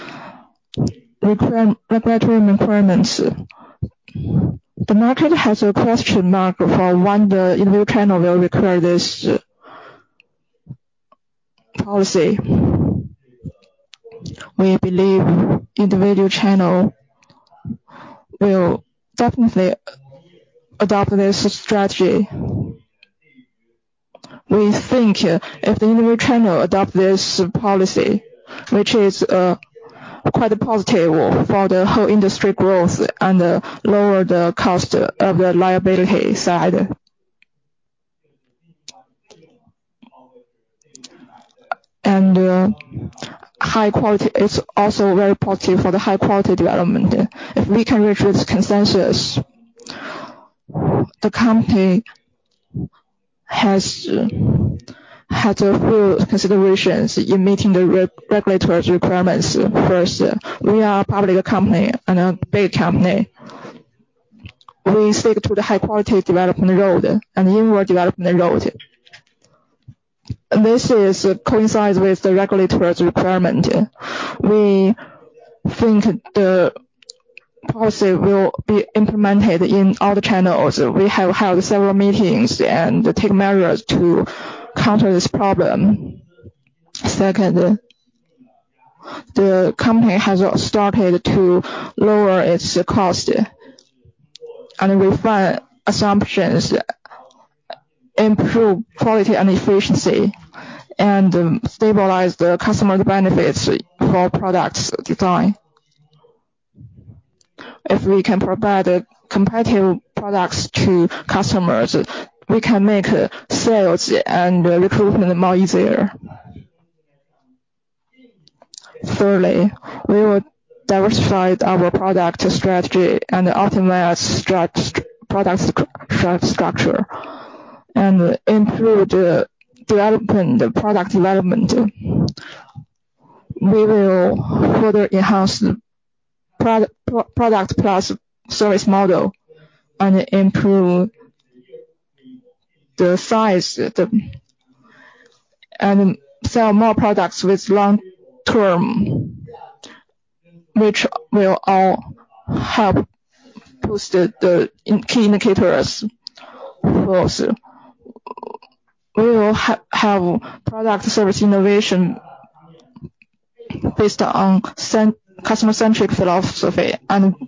required regulatory requirements, the market has a question mark for when the individual channel will require this policy. We believe individual channel will definitely adopt this strategy. We think if the individual channel adopt this policy, which is quite positive for the whole industry growth and lower the cost of the liability side. And high quality is also very positive for the high quality development. If we can reach this consensus, the company has had full considerations in meeting the regulatory requirements first. We are a public company and a big company. We stick to the high quality development road and inward development road. This coincides with the regulatory's requirement. We think the policy will be implemented in all the channels. We have held several meetings and take measures to counter this problem. Second, the company has started to lower its cost and refine assumptions, improve quality and efficiency, and stabilize the customer benefits for products design. If we can provide competitive products to customers, we can make sales and recruitment more easier. Thirdly, we will diversify our product strategy and optimize product structure and improve the product development. We will further enhance the product plus service model and improve the size, the. And sell more products with long term, which will all help boost the key indicators. Fourth, we will have product service innovation based on customer-centric philosophy, and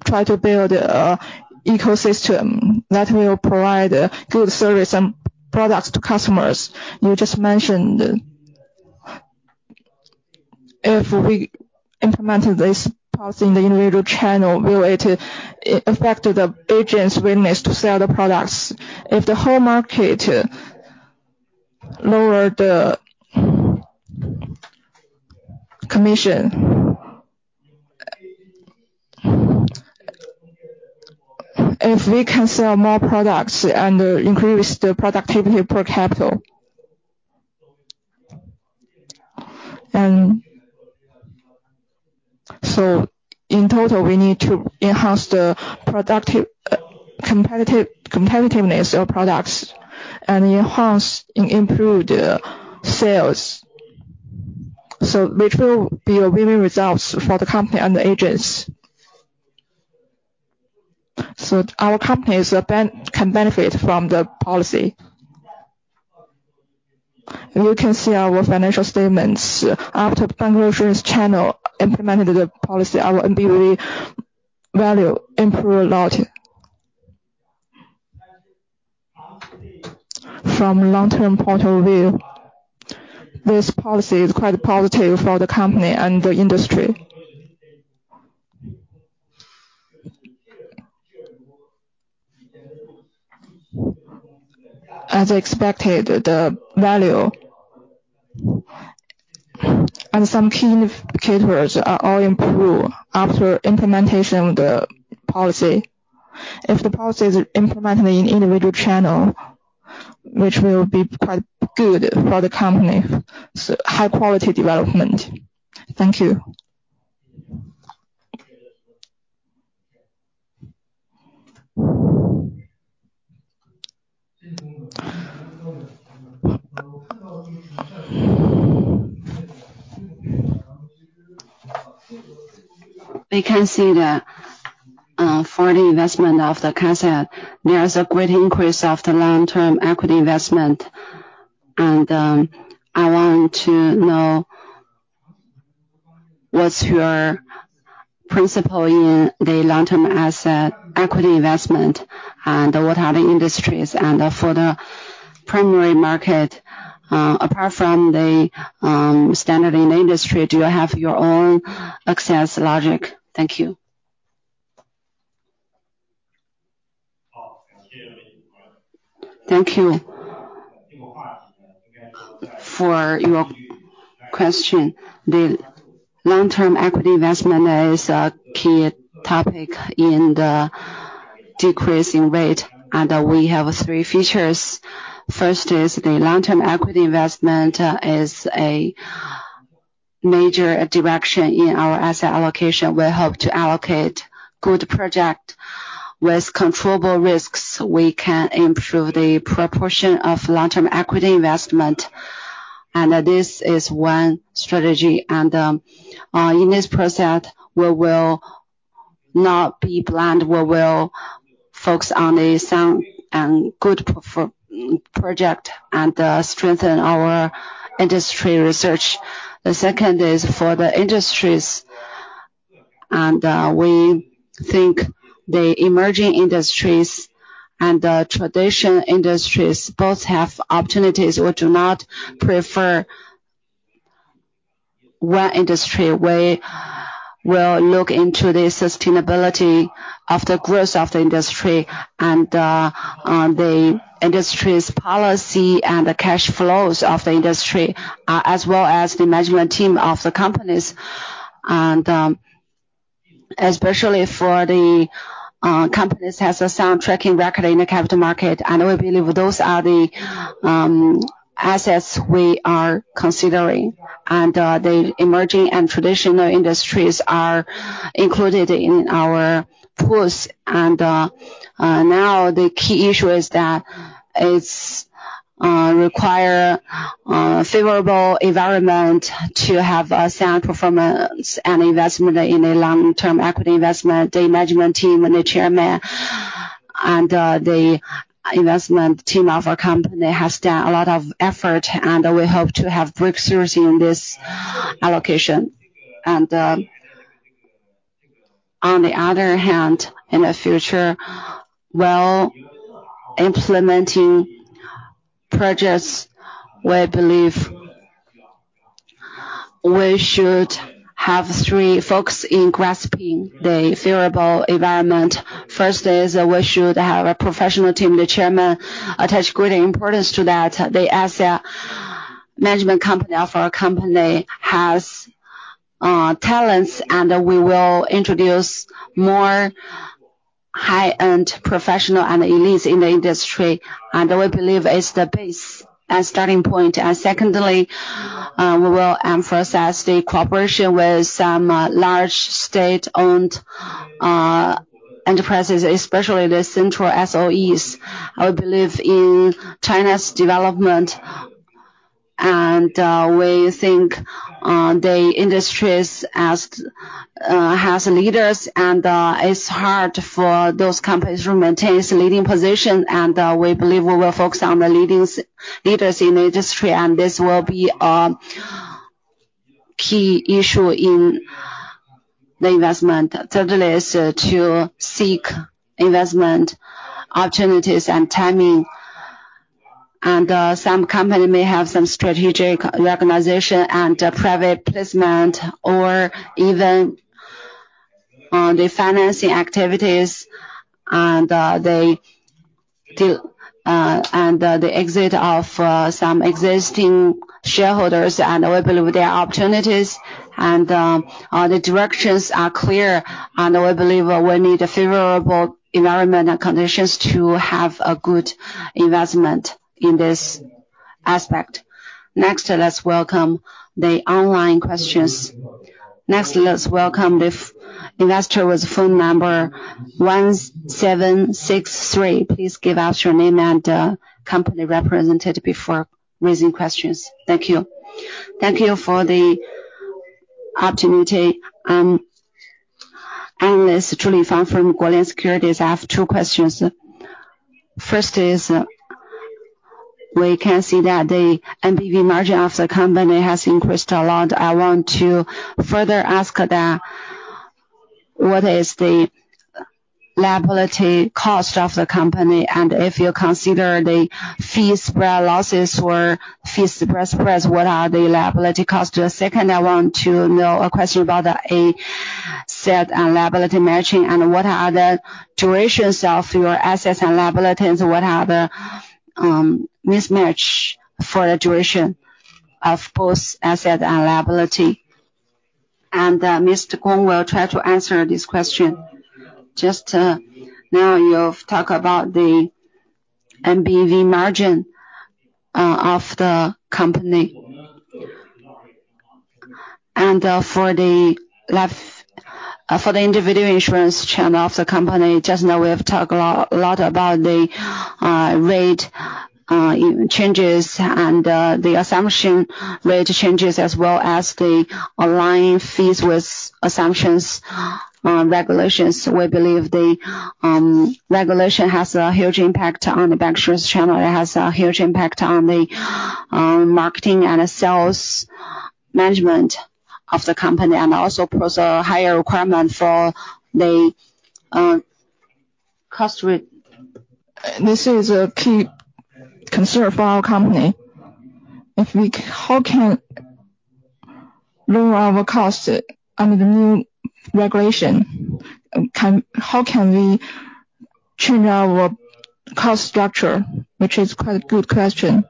try to build ecosystem that will provide good service and products to customers. You just mentioned, if we implemented this policy in the individual channel, will it affect the agents' willingness to sell the products? If the whole market lower the commission. If we can sell more products and increase the productivity per capita. In total, we need to enhance the productivity, competitiveness of products and enhance and improve the sales. Which will be a winning result for the company and the agents. Our company can benefit from the policy. You can see our financial statements. After bank insurance channel implemented the policy, our NBV value improved a lot. From long-term point of view, this policy is quite positive for the company and the industry. As expected, the value and some key indicators are all improved after implementation of the policy. If the policy is implemented in individual channel, which will be quite good for the company, so high quality development. Thank you. We can see that, for the investment of the asset, there is a great increase of the long-term equity investment. And, I want to know what's your principle in the long-term asset equity investment, and what are the industries and for the primary market, apart from the standard in industry, do you have your own access logic? Thank you. Thank you for your question. The long-term equity investment is a key topic in the decrease in rate, and we have three features. First is the long-term equity investment is a major direction in our asset allocation. We hope to allocate good project with controllable risks. We can improve the proportion of long-term equity investment, and this is one strategy. And in this process, we will not be blind. We will focus on the sound and good performing project, and strengthen our industry research. The second is for the industries, and we think the emerging industries and the traditional industries both have opportunities. We do not prefer one industry. We will look into the sustainability of the growth of the industry and on the industry's policy and the cash flows of the industry as well as the management team of the companies. Especially for the companies has a sound track record in the capital market, and we believe those are the assets we are considering. The emerging and traditional industries are included in our pools. Now, the key issue is that it's require favorable environment to have a sound performance and investment in a long-term equity investment. The management team and the chairman and the investment team of our company has done a lot of effort, and we hope to have breakthroughs in this allocation. On the other hand, in the future, while implementing projects, we believe we should have three folks in grasping the favorable environment. First is we should have a professional team. The chairman attach great importance to that. The asset management company of our company has talents, and we will introduce more high-end professional and elites in the industry, and we believe it's the base and starting point. And secondly, we will emphasize the cooperation with some large state-owned enterprises, especially the central SOEs. I believe in China's development, and we think the industries as has leaders, and it's hard for those companies to maintain its leading position, and we believe we will focus on the leadings, leaders in the industry, and this will be a key issue in the investment. Thirdly is to seek investment opportunities and timing. Some company may have some strategic reorganization and private placement or even the financing activities and the exit of some existing shareholders, and we believe there are opportunities, and the directions are clear, and we believe we need favorable environmental conditions to have a good investment in this aspect. Next, let's welcome the online questions. Next, let's welcome the investor with phone number 1763. Please give us your name and company representative before raising questions. Thank you. Thank you for the opportunity. I'm analyst Zeng Yu from Guolian Securities. I have two questions. First is, we can see that the NPV margin of the company has increased a lot. I want to further ask, what is the liability cost of the company? If you consider the fee spread losses or fee spread, what are the liability costs? Second, I want to know a question about the asset and liability matching, and what are the durations of your assets and liabilities, and what are the mismatch for the duration of both asset and liability? And, Mr. Gong will try to answer this question. Just now you've talked about the NBV margin of the company. And, for the individual insurance channel of the company, just now, we have talked a lot, a lot about the rate changes and the assumption rate changes, as well as the aligning fees with assumptions regulations. We believe the regulation has a huge impact on the bank insurance channel. It has a huge impact on the marketing and sales management of the company, and also poses a higher requirement for the cost. This is a key concern for our company. If we can, how can we lower our cost under the new regulation? How can we change our cost structure? Which is quite a good question.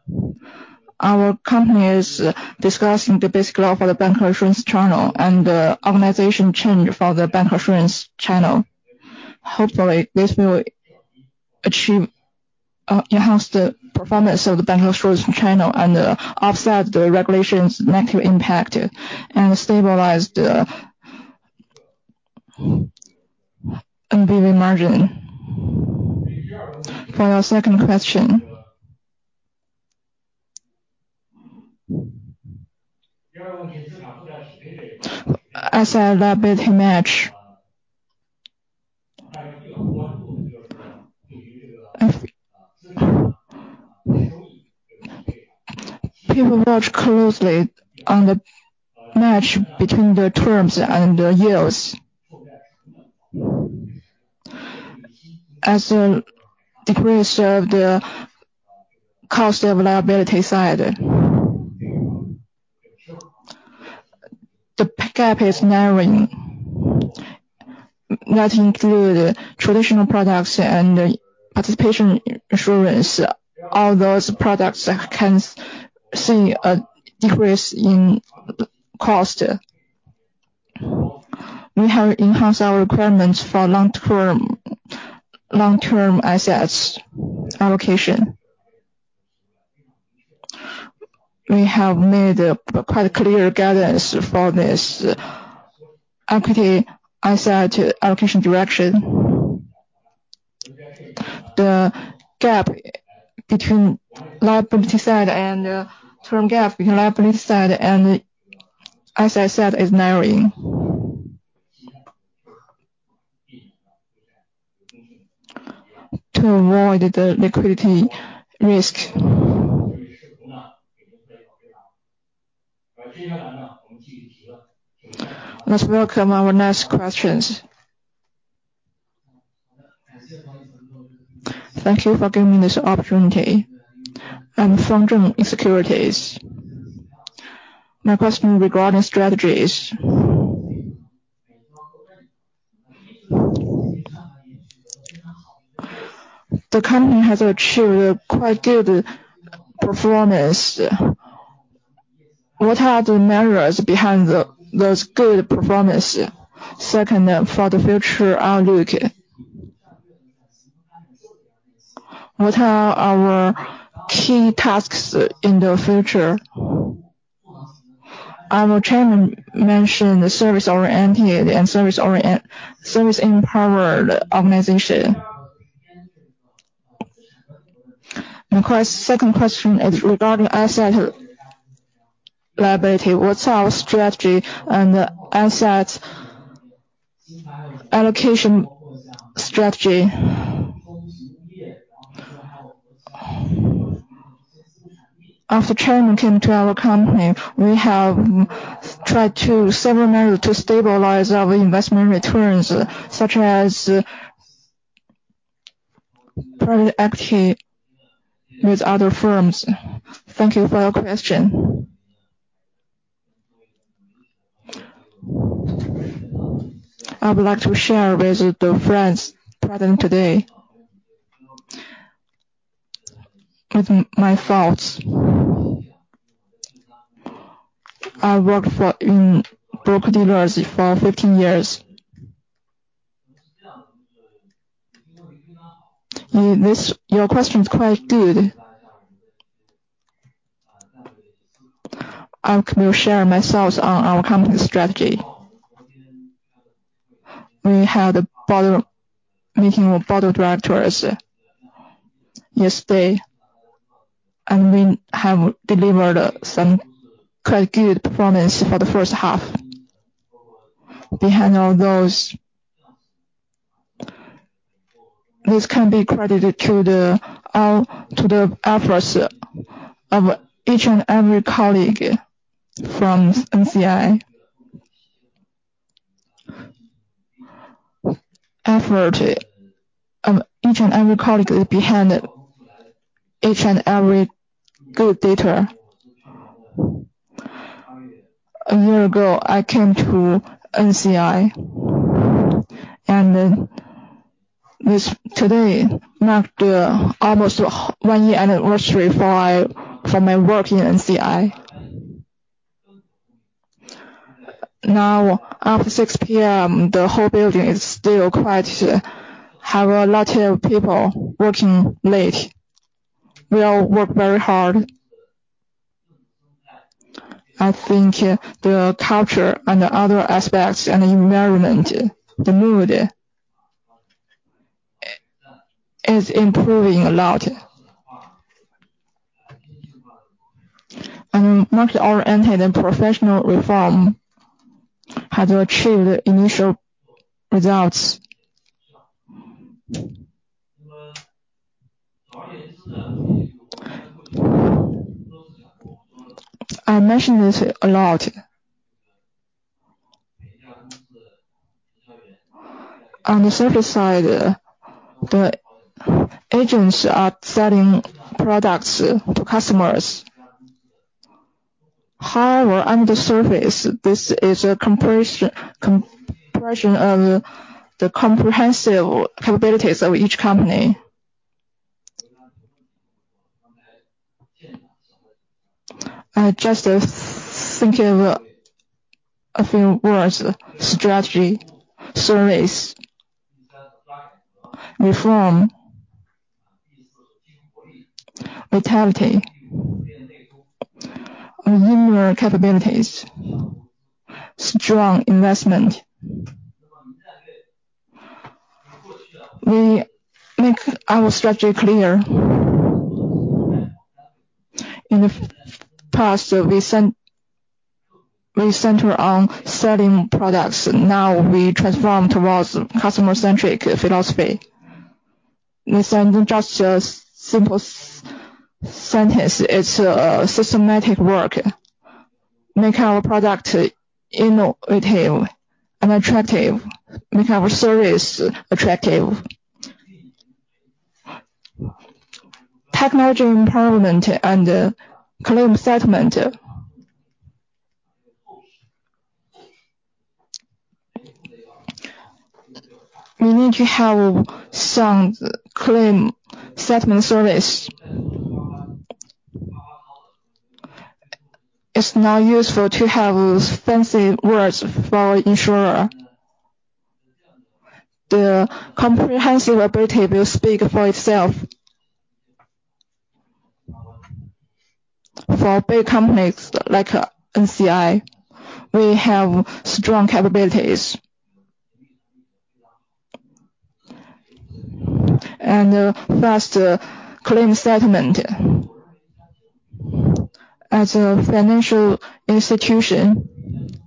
Our company is discussing the Basic Law for the bank insurance channel and the organization change for the bank insurance channel. Hopefully, this will achieve enhance the performance of the bank insurance channel and offset the regulation's negative impact, and stabilize the NBV margin. For our second question. I said that asset match. People watch closely on the match between the terms and the yields. As a decrease of the cost of liability side, the gap is narrowing. That include traditional products and participating insurance, all those products can see a decrease in cost. We have enhanced our requirements for long-term assets allocation. We have made a quite clear guidance for this equity asset allocation direction. The gap between liability side and term gap between liability side, and as I said, is narrowing. To avoid the liquidity risk. Let's welcome our next questions. Thank you for giving me this opportunity. I'm from Securities. My question regarding strategies. The company has achieved a quite good performance. What are the measures behind those good performance? Second, for the future outlook, what are our key tasks in the future? Our chairman mentioned the service-oriented and service-empowered organization. My second question is regarding asset liability: What's our strategy and asset allocation strategy? After chairman came to our company, we have tried to several measure to stabilize our investment returns, such as private equity with other firms. Thank you for your question. I would like to share with the friends present today, give them my thoughts. I worked in broker-dealers for 15 years. This, your question is quite good. I will share my thoughts on our company's strategy. We had a meeting with board of directors yesterday, and we have delivered some quite good performance for the first half. Behind all those... This can be credited to the efforts of each and every colleague from NCI. Effort of each and every colleague is behind each and every good data. A year ago, I came to NCI, and then this today marked the almost one year anniversary for my work in NCI. Now, after 6:00 P.M., the whole building is still quite have a lot of people working late. We all work very hard. I think the culture and the other aspects and the environment, the mood, is improving a lot. Market-oriented and professional reform has achieved initial results. I mention this a lot. On the surface side, the agents are selling products to customers. However, under the surface, this is a comparison of the comprehensive capabilities of each company. Just thinking of a few words: strategy, service, reform, vitality, and newer capabilities, strong investment. We make our strategy clear. In the past, we centered on selling products, now we transform towards customer-centric philosophy. This isn't just a simple sentence, it's a systematic work. Make our product innovative and attractive, make our service attractive. Technology empowerment and claim settlement. We need to have some claim settlement service. It's not useful to have fancy words for insurer. The comprehensive ability will speak for itself. For big companies like NCI, we have strong capabilities. And fast claim settlement. As a financial institution,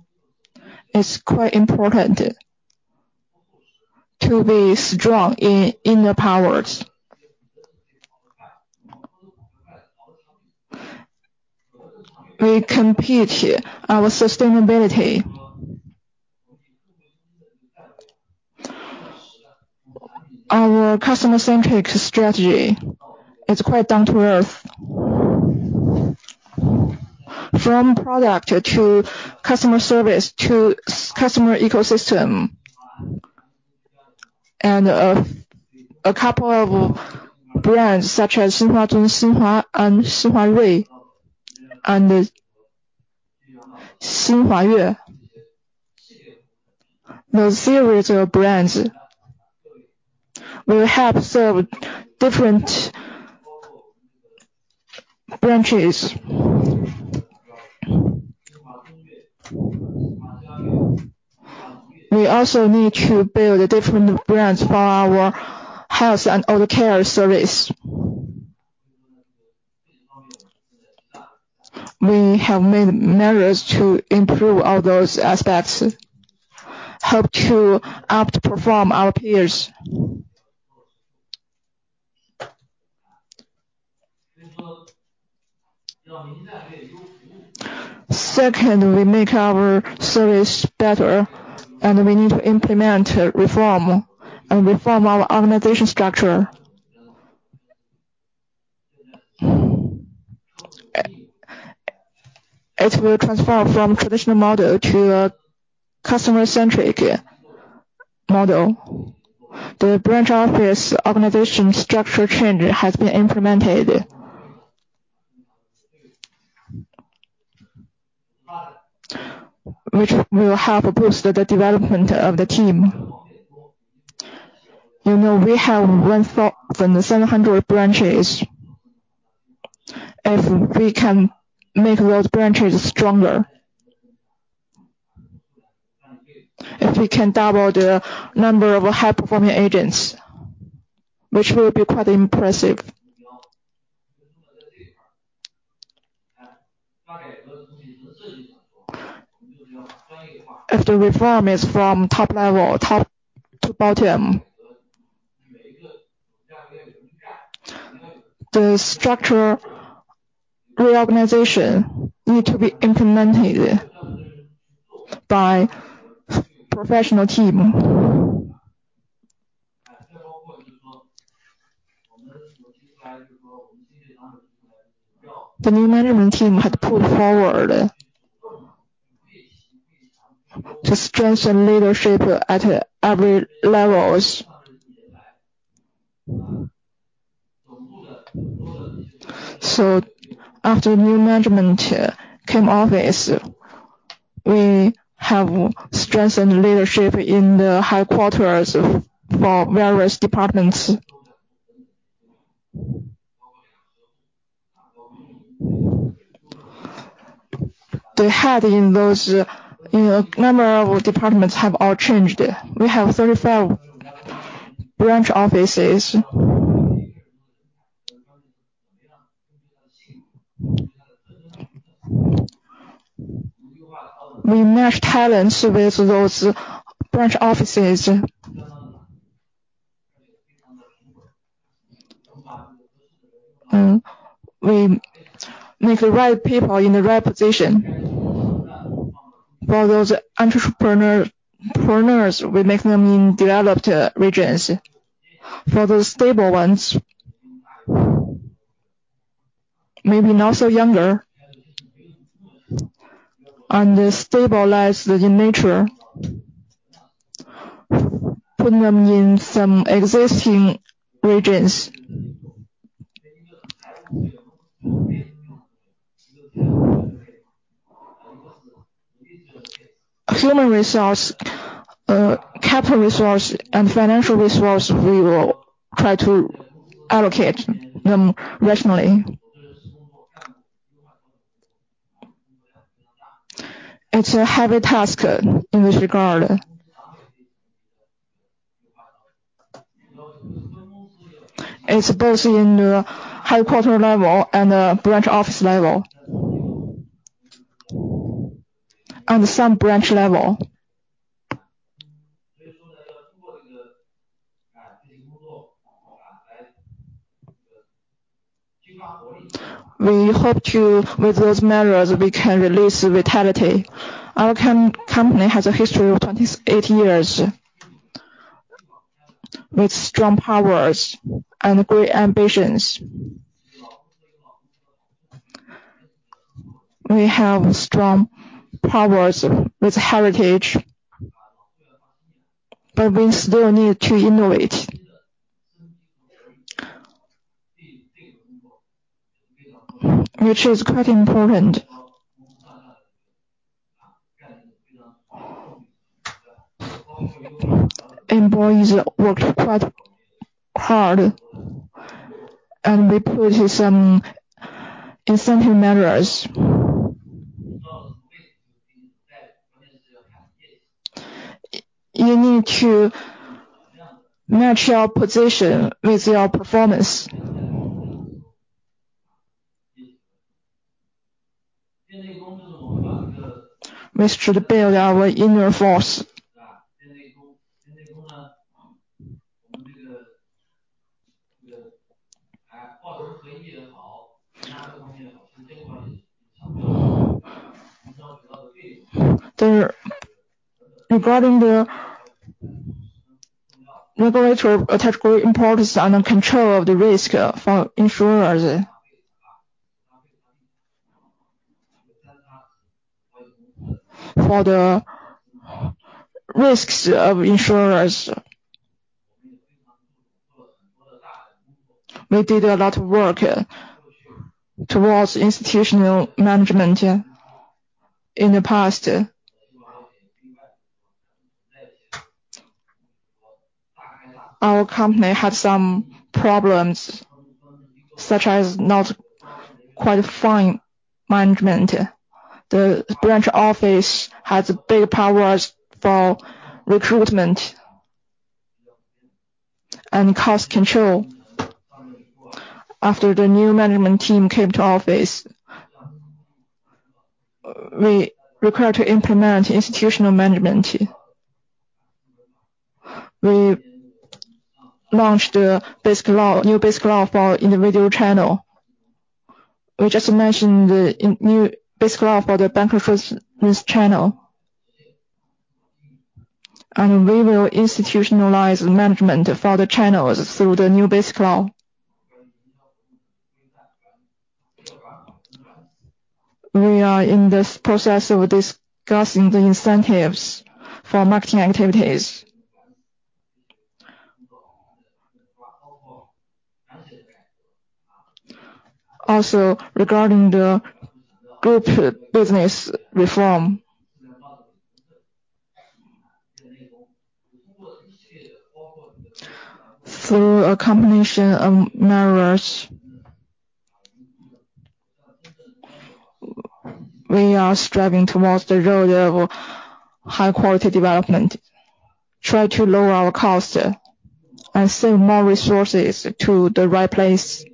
it's quite important to be strong in the powers. We compete our sustainability. Our customer-centric strategy is quite down to earth. From product to customer service to customer ecosystem, and a couple of brands such as Xinhua Zun, Xinhua, and Xinhua Rui, and Xinhua Le. The series of brands will help serve different branches. We also need to build different brands for our health and other care service. We have made measures to improve all those aspects, help to outperform our peers. Second, we make our service better, and we need to implement reform and reform our organization structure. It will transform from traditional model to a customer-centric model. The branch office organization structure change has been implemented, which will help boost the development of the team. You know, we have 1,700 branches. If we can make those branches stronger. If we can double the number of high-performing agents, which will be quite impressive. As the reform is from top level, top to bottom. The structure reorganization need to be implemented by professional team. The new management team had pulled forward, to strengthen leadership at every levels. So after new management came office, we have strengthened leadership in the headquarters for various departments. The head in those, in a number of departments have all changed. We have 35 branch offices. We match talents with those branch offices. We put right people in the right position. For those entrepreneurs, we make them in developed regions. For the stable ones, maybe not so younger, and stabilize in nature, put them in some existing regions. Human resource, capital resource, and financial resource, we will try to allocate them rationally. It's a heavy task in this regard. It's both in the headquarter level and branch office level, and some branch level. We hope to, with those measures, we can release vitality. Our company has a history of 28 years, with strong powers and great ambitions. We have strong powers with heritage, but we still need to innovate. Which is quite important. Employees work quite hard, and we put some incentive measures. You need to match your position with your performance. We should build our inner force. The regulators attach great importance to the control of the risk for insurers. For the risks of insurers, we did a lot of work towards institutional management. In the past, our company had some problems, such as not quite fine management. The branch office has big powers for recruitment and cost control. After the new management team came to office, we required to implement institutional management. We launched a Basic Law, new Basic Law for individual channel. We just mentioned the new Basic Law for the bancassurance channel, and we will institutionalize management for the channels through the new Basic Law. We are in this process of discussing the incentives for marketing activities. Also, regarding the group business reform, through a combination of measures, we are striving towards the road of high-quality development, try to lower our cost, and save more resources to the right place.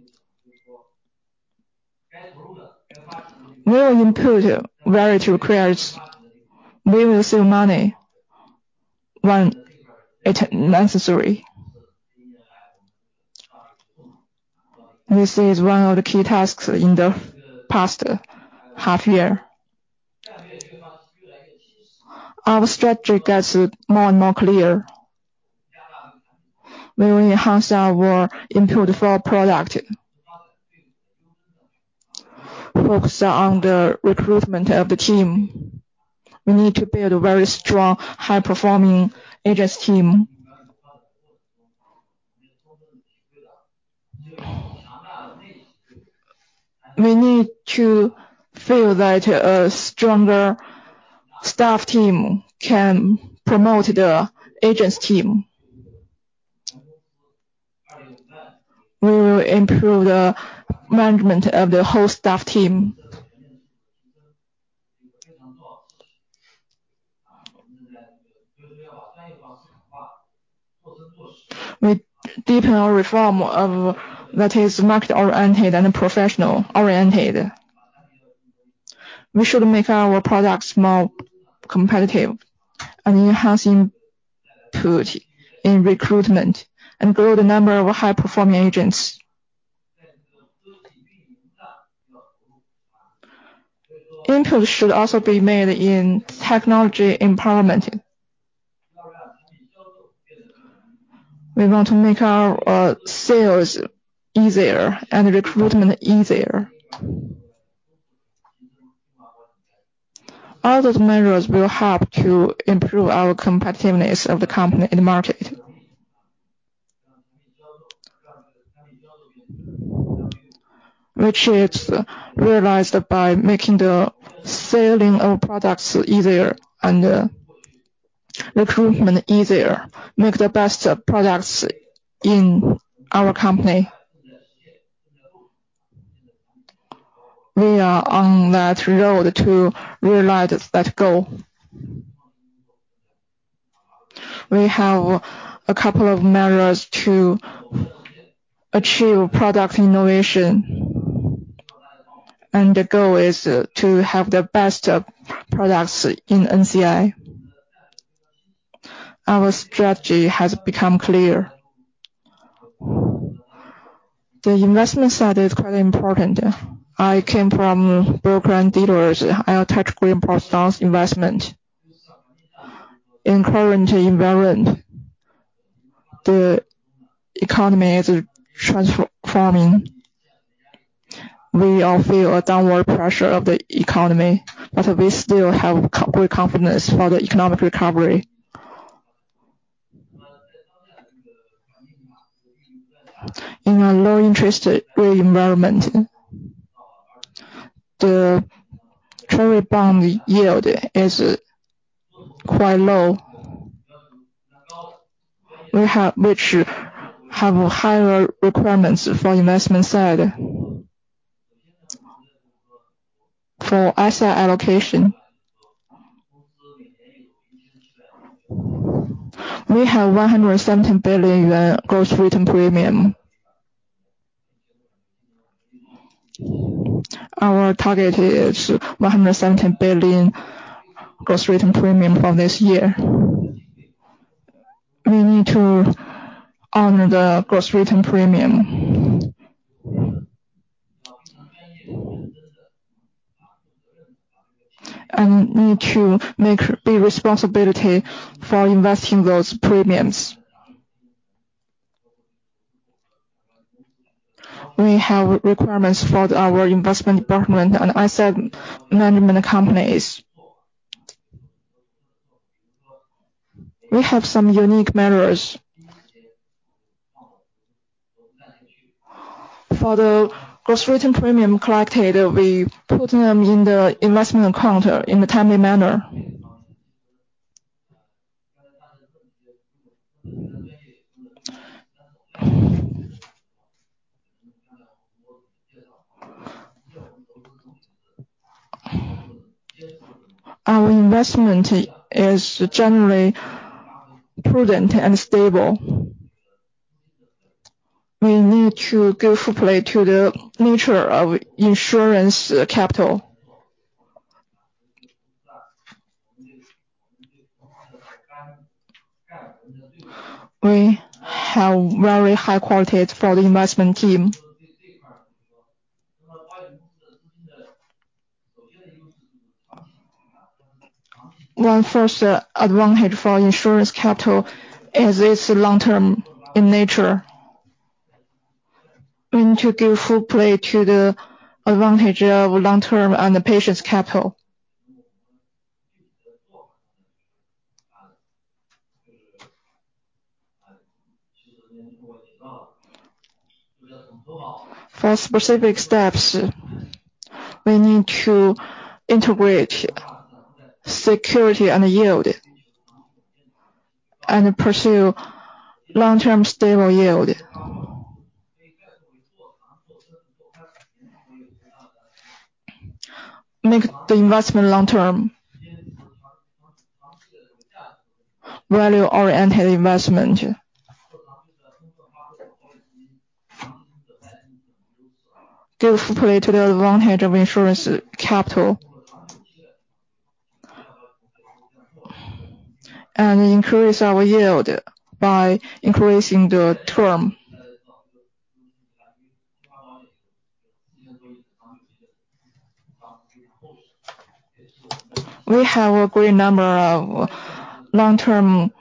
We will improve where it requires. We will save money when it's necessary. This is one of the key tasks in the past half-year. Our strategy gets more and more clear. We will enhance our input for product. Focus on the recruitment of the team. We need to build a very strong, high-performing agents team. We need to feel that a stronger staff team can promote the agents team. We will improve the management of the whole staff team. We deepen our reform of... that is market-oriented and professional-oriented. We should make our products more competitive, and enhancing input in recruitment, and grow the number of high-performing agents. Input should also be made in technology empowerment. We want to make our sales easier and recruitment easier. All those measures will help to improve our competitiveness of the company in the market. Which is realized by making the selling of products easier and recruitment easier, make the best products in our company. We are on that road to realize that goal. We have a couple of measures to achieve product innovation, and the goal is to have the best products in NCI. Our strategy has become clear. The investment side is quite important. I came from broker and dealers, high tech green prospects investment. In current environment, the economy is transforming. We all feel a downward pressure of the economy, but we still have great confidence for the economic recovery. In a low interest rate environment, the treasury bond yield is quite low. We have which have higher requirements for investment side. For asset allocation, we have 117 billion yuan gross written premium. Our target is 117 billion CNY gross written premium for this year. We need to own the gross written premium. And need to make the responsibility for investing those premiums. We have requirements for our investment department and asset management companies. We have some unique measures. For the gross written premium collected, we put them in the investment account in a timely manner. Our investment is generally prudent and stable. We need to give full play to the nature of insurance capital. We have very high quality for the investment team. One first advantage for insurance capital is its long-term in nature. We need to give full play to the advantage of long-term and the patient capital. For specific steps, we need to integrate security and yield, and pursue long-term stable yield. Make the investment long-term. Value-oriented investment. Give full play to the advantage of insurance capital and increase our yield by increasing the term. We have a great number of long-term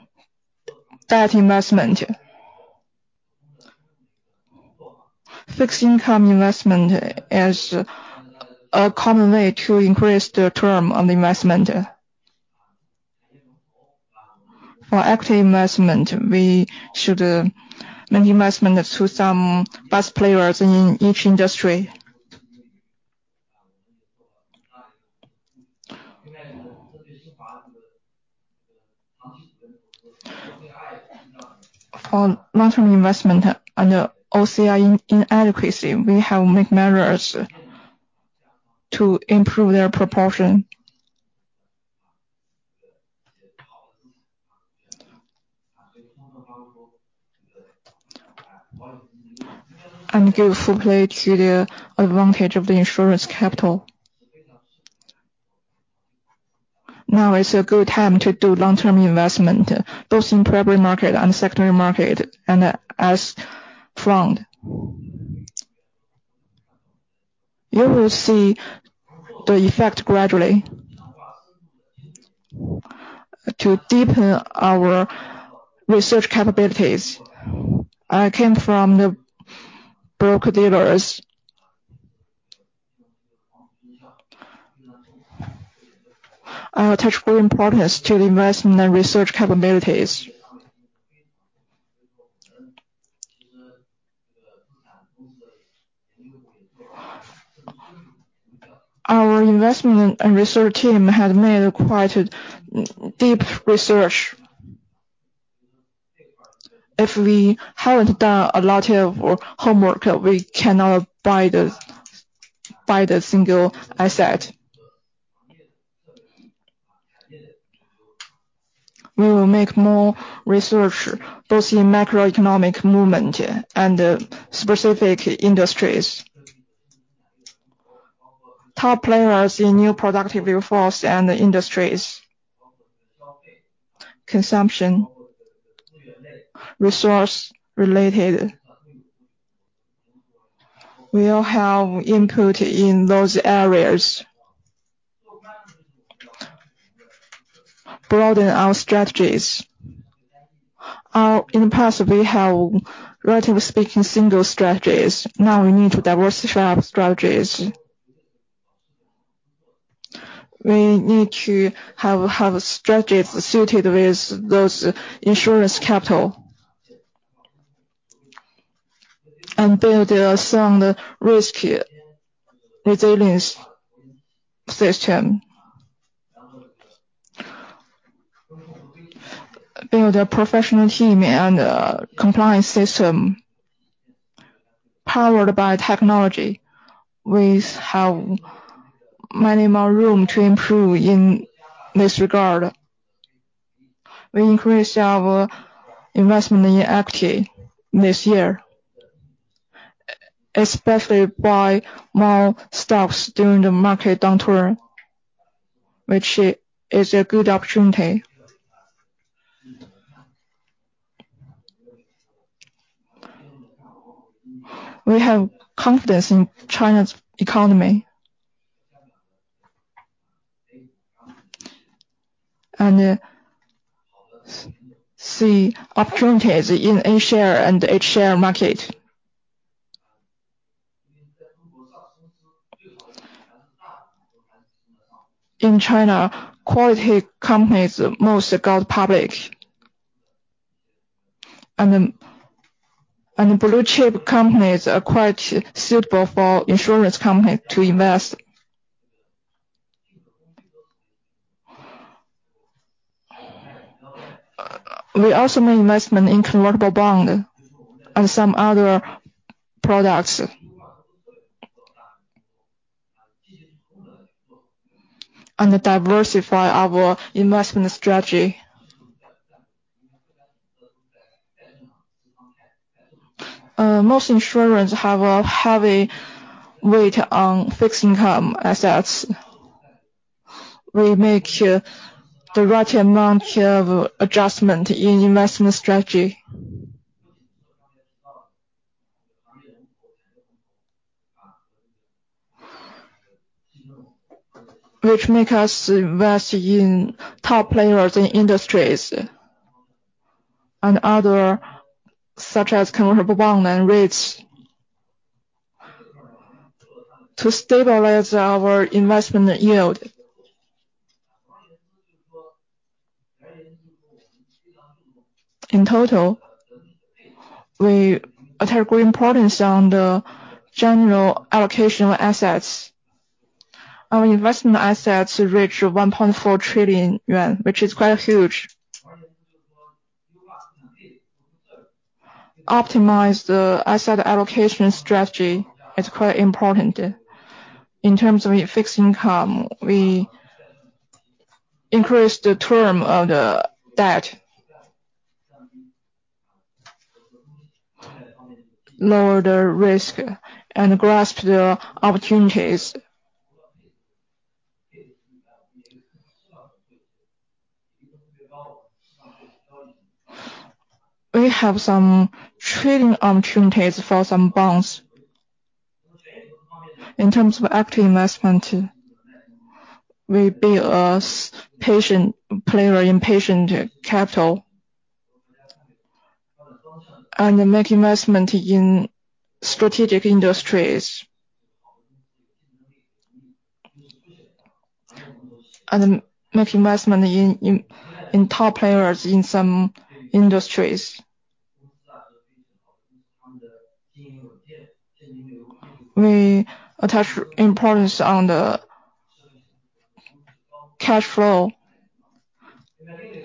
debt investment. Fixed income investment is a common way to increase the term on the investment. For active investment, we should make investment to some best players in each industry. For long-term investment under OCI inadequacy, we have make measures to improve their proportion and give full play to the advantage of the insurance capital. Now is a good time to do long-term investment, both in primary market and secondary market, and S-funds. You will see the effect gradually. To deepen our research capabilities, I came from the broker-dealers. I attach great importance to the investment and research capabilities. Our investment and research team had made quite an in-depth research. If we haven't done a lot of work, homework, we cannot buy the single asset. We will make more research, both in macroeconomic movement and specific industries. Top players in new productive forces and the industries, consumption, resource-related. We all have input in those areas. Broaden our strategies. In the past, we have relatively speaking single strategies. Now we need to diversify our strategies. We need to have strategies suited with those insurance capital and build some risk resilience system. Build a professional team and a compliance system powered by technology. We have many more room to improve in this regard. We increased our investment in equity this year, especially buy more stocks during the market downturn, which is a good opportunity. We have confidence in China's economy. And see opportunities in A-share and H-share market. In China, quality companies most go public. And then blue-chip companies are quite suitable for insurance company to invest. We also made investment in convertible bond and some other products. And diversify our investment strategy. Most insurance have a heavy weight on fixed income assets. We make the right amount of adjustment in investment strategy. Which make us invest in top players in industries and other, such as convertible bond and REITs, to stabilize our investment yield. In total, we attach great importance on the general allocation of assets. Our investment assets reach 1.4 trillion yuan, which is quite huge. Optimizing the asset allocation strategy is quite important. In terms of fixed income, we increase the term of the debt. Lower the risk and grasp the opportunities. We have some trading opportunities for some bonds. In terms of active investment, we be a patient player in patient capital, and make investment in strategic industries. And make investment in top players in some industries. We attach importance on the cash flow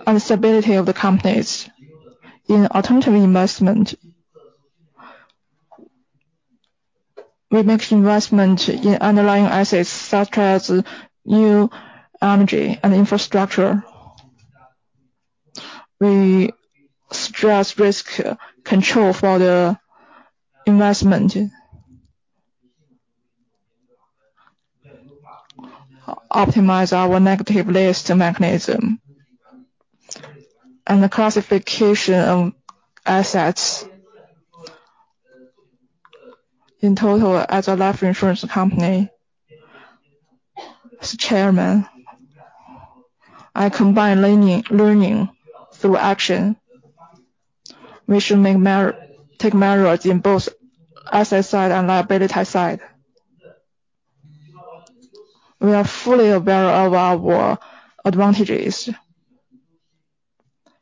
and stability of the companies. In alternative investment, we make investment in underlying assets such as new energy and infrastructure. We stress risk control for the investment. Optimize our negative list mechanism and the classification of assets. In total, as a life insurance company, as chairman, I combine learning through action. We should take measures in both asset side and liability side. We are fully aware of our advantages.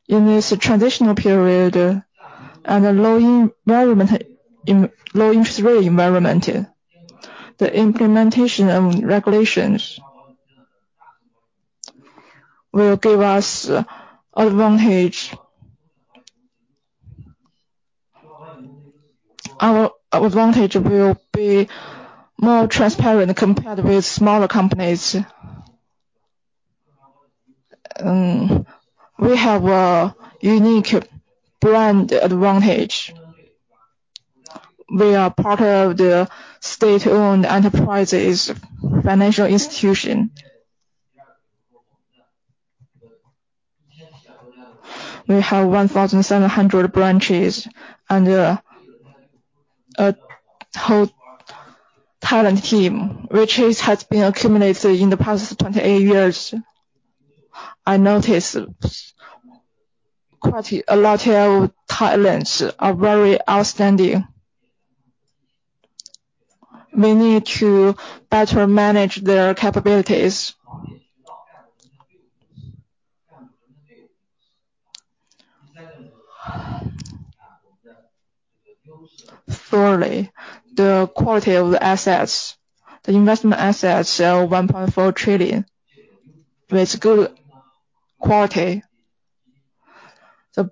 In this transitional period in a low interest rate environment, the implementation of regulations will give us advantage. Our advantage will be more transparent compared with smaller companies. We have a unique brand advantage. We are part of the state-owned enterprises financial institution. We have 1,700 branches and a whole talent team, which has been accumulated in the past 28 years. I noticed quite a lot of talents are very outstanding. We need to better manage their capabilities. Thirdly, the quality of the assets. The investment assets are 1.4 trillion, with good quality. The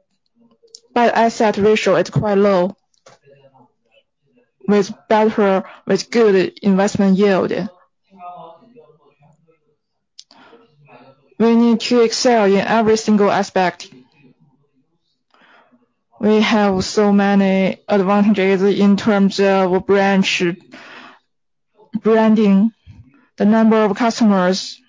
bad asset ratio is quite low, with good investment yield. We need to excel in every single aspect. We have so many advantages in terms of branch branding, the number of customers.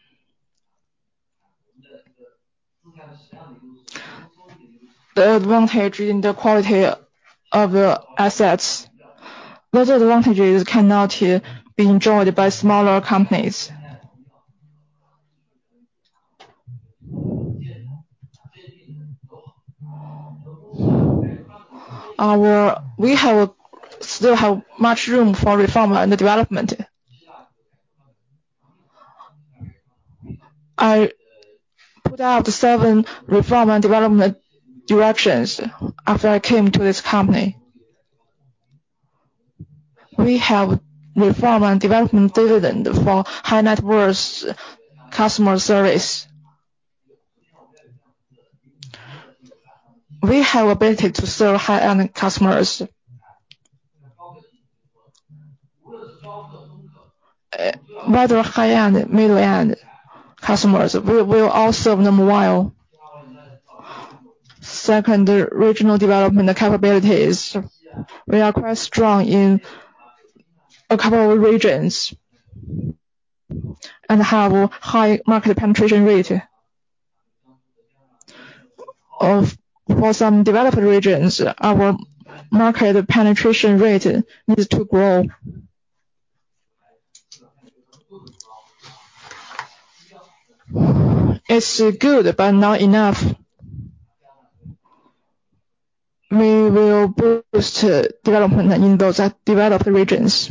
The advantage in the quality of assets. Those advantages cannot be enjoyed by smaller companies. We still have much room for reform and development. I put out seven reform and development directions after I came to this company. We have reform and development dividend for high net worth customer service. We have ability to serve high-end customers. Rather high-end, middle-end customers. We will all serve them well. Second, regional development capabilities. We are quite strong in a couple of regions and have high market penetration rate. For some developed regions, our market penetration rate needs to grow. It's good, but not enough. We will boost development in those developed regions.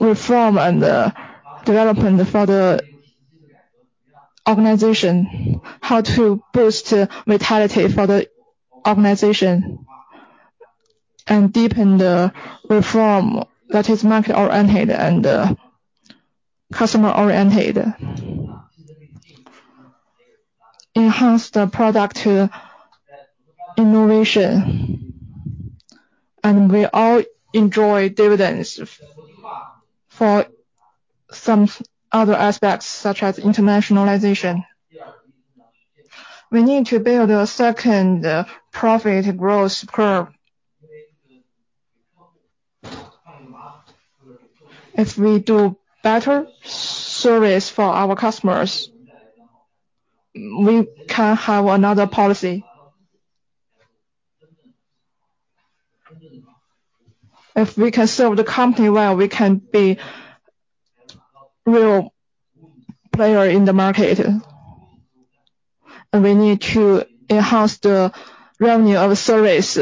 Reform and development for the organization, how to boost vitality for the organization and deepen the reform that is market-oriented and customer-oriented. Enhance the product innovation, and we all enjoy dividends for some other aspects, such as internationalization. We need to build a second profit growth curve. If we do better service for our customers, we can have another policy. If we can serve the company well, we can be real player in the market, and we need to enhance the revenue of service.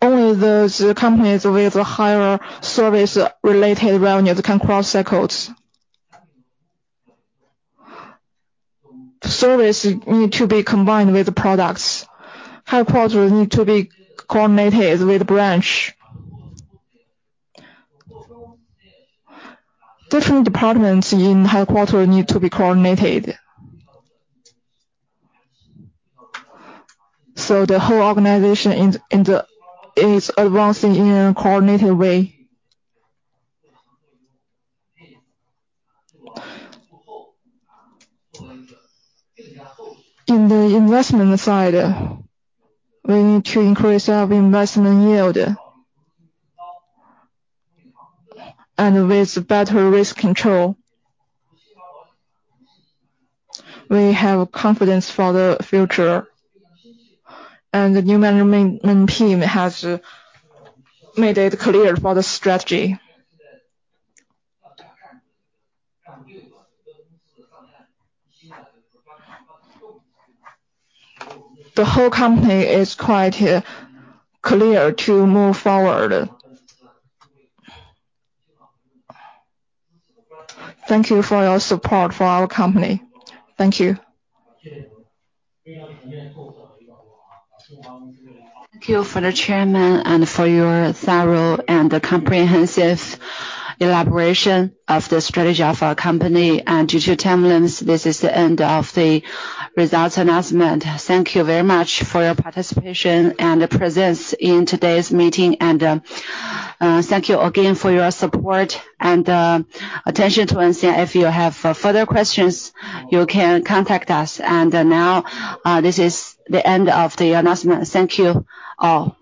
Only those companies with higher service-related revenues can cross cycles. Service need to be combined with the products. Headquarters need to be coordinated with the branch. Different departments in headquarters need to be coordinated, so the whole organization is advancing in a coordinated way. In the investment side, we need to increase our investment yield, and with better risk control, we have confidence for the future, and the new management team has made it clear for the strategy. The whole company is quite clear to move forward. Thank you for your support for our company. Thank you. Thank you for the chairman and for your thorough and comprehensive elaboration of the strategy of our company. And due to time limits, this is the end of the results announcement. Thank you very much for your participation and presence in today's meeting, and thank you again for your support and attention to us. If you have further questions, you can contact us. And now, this is the end of the announcement. Thank you all.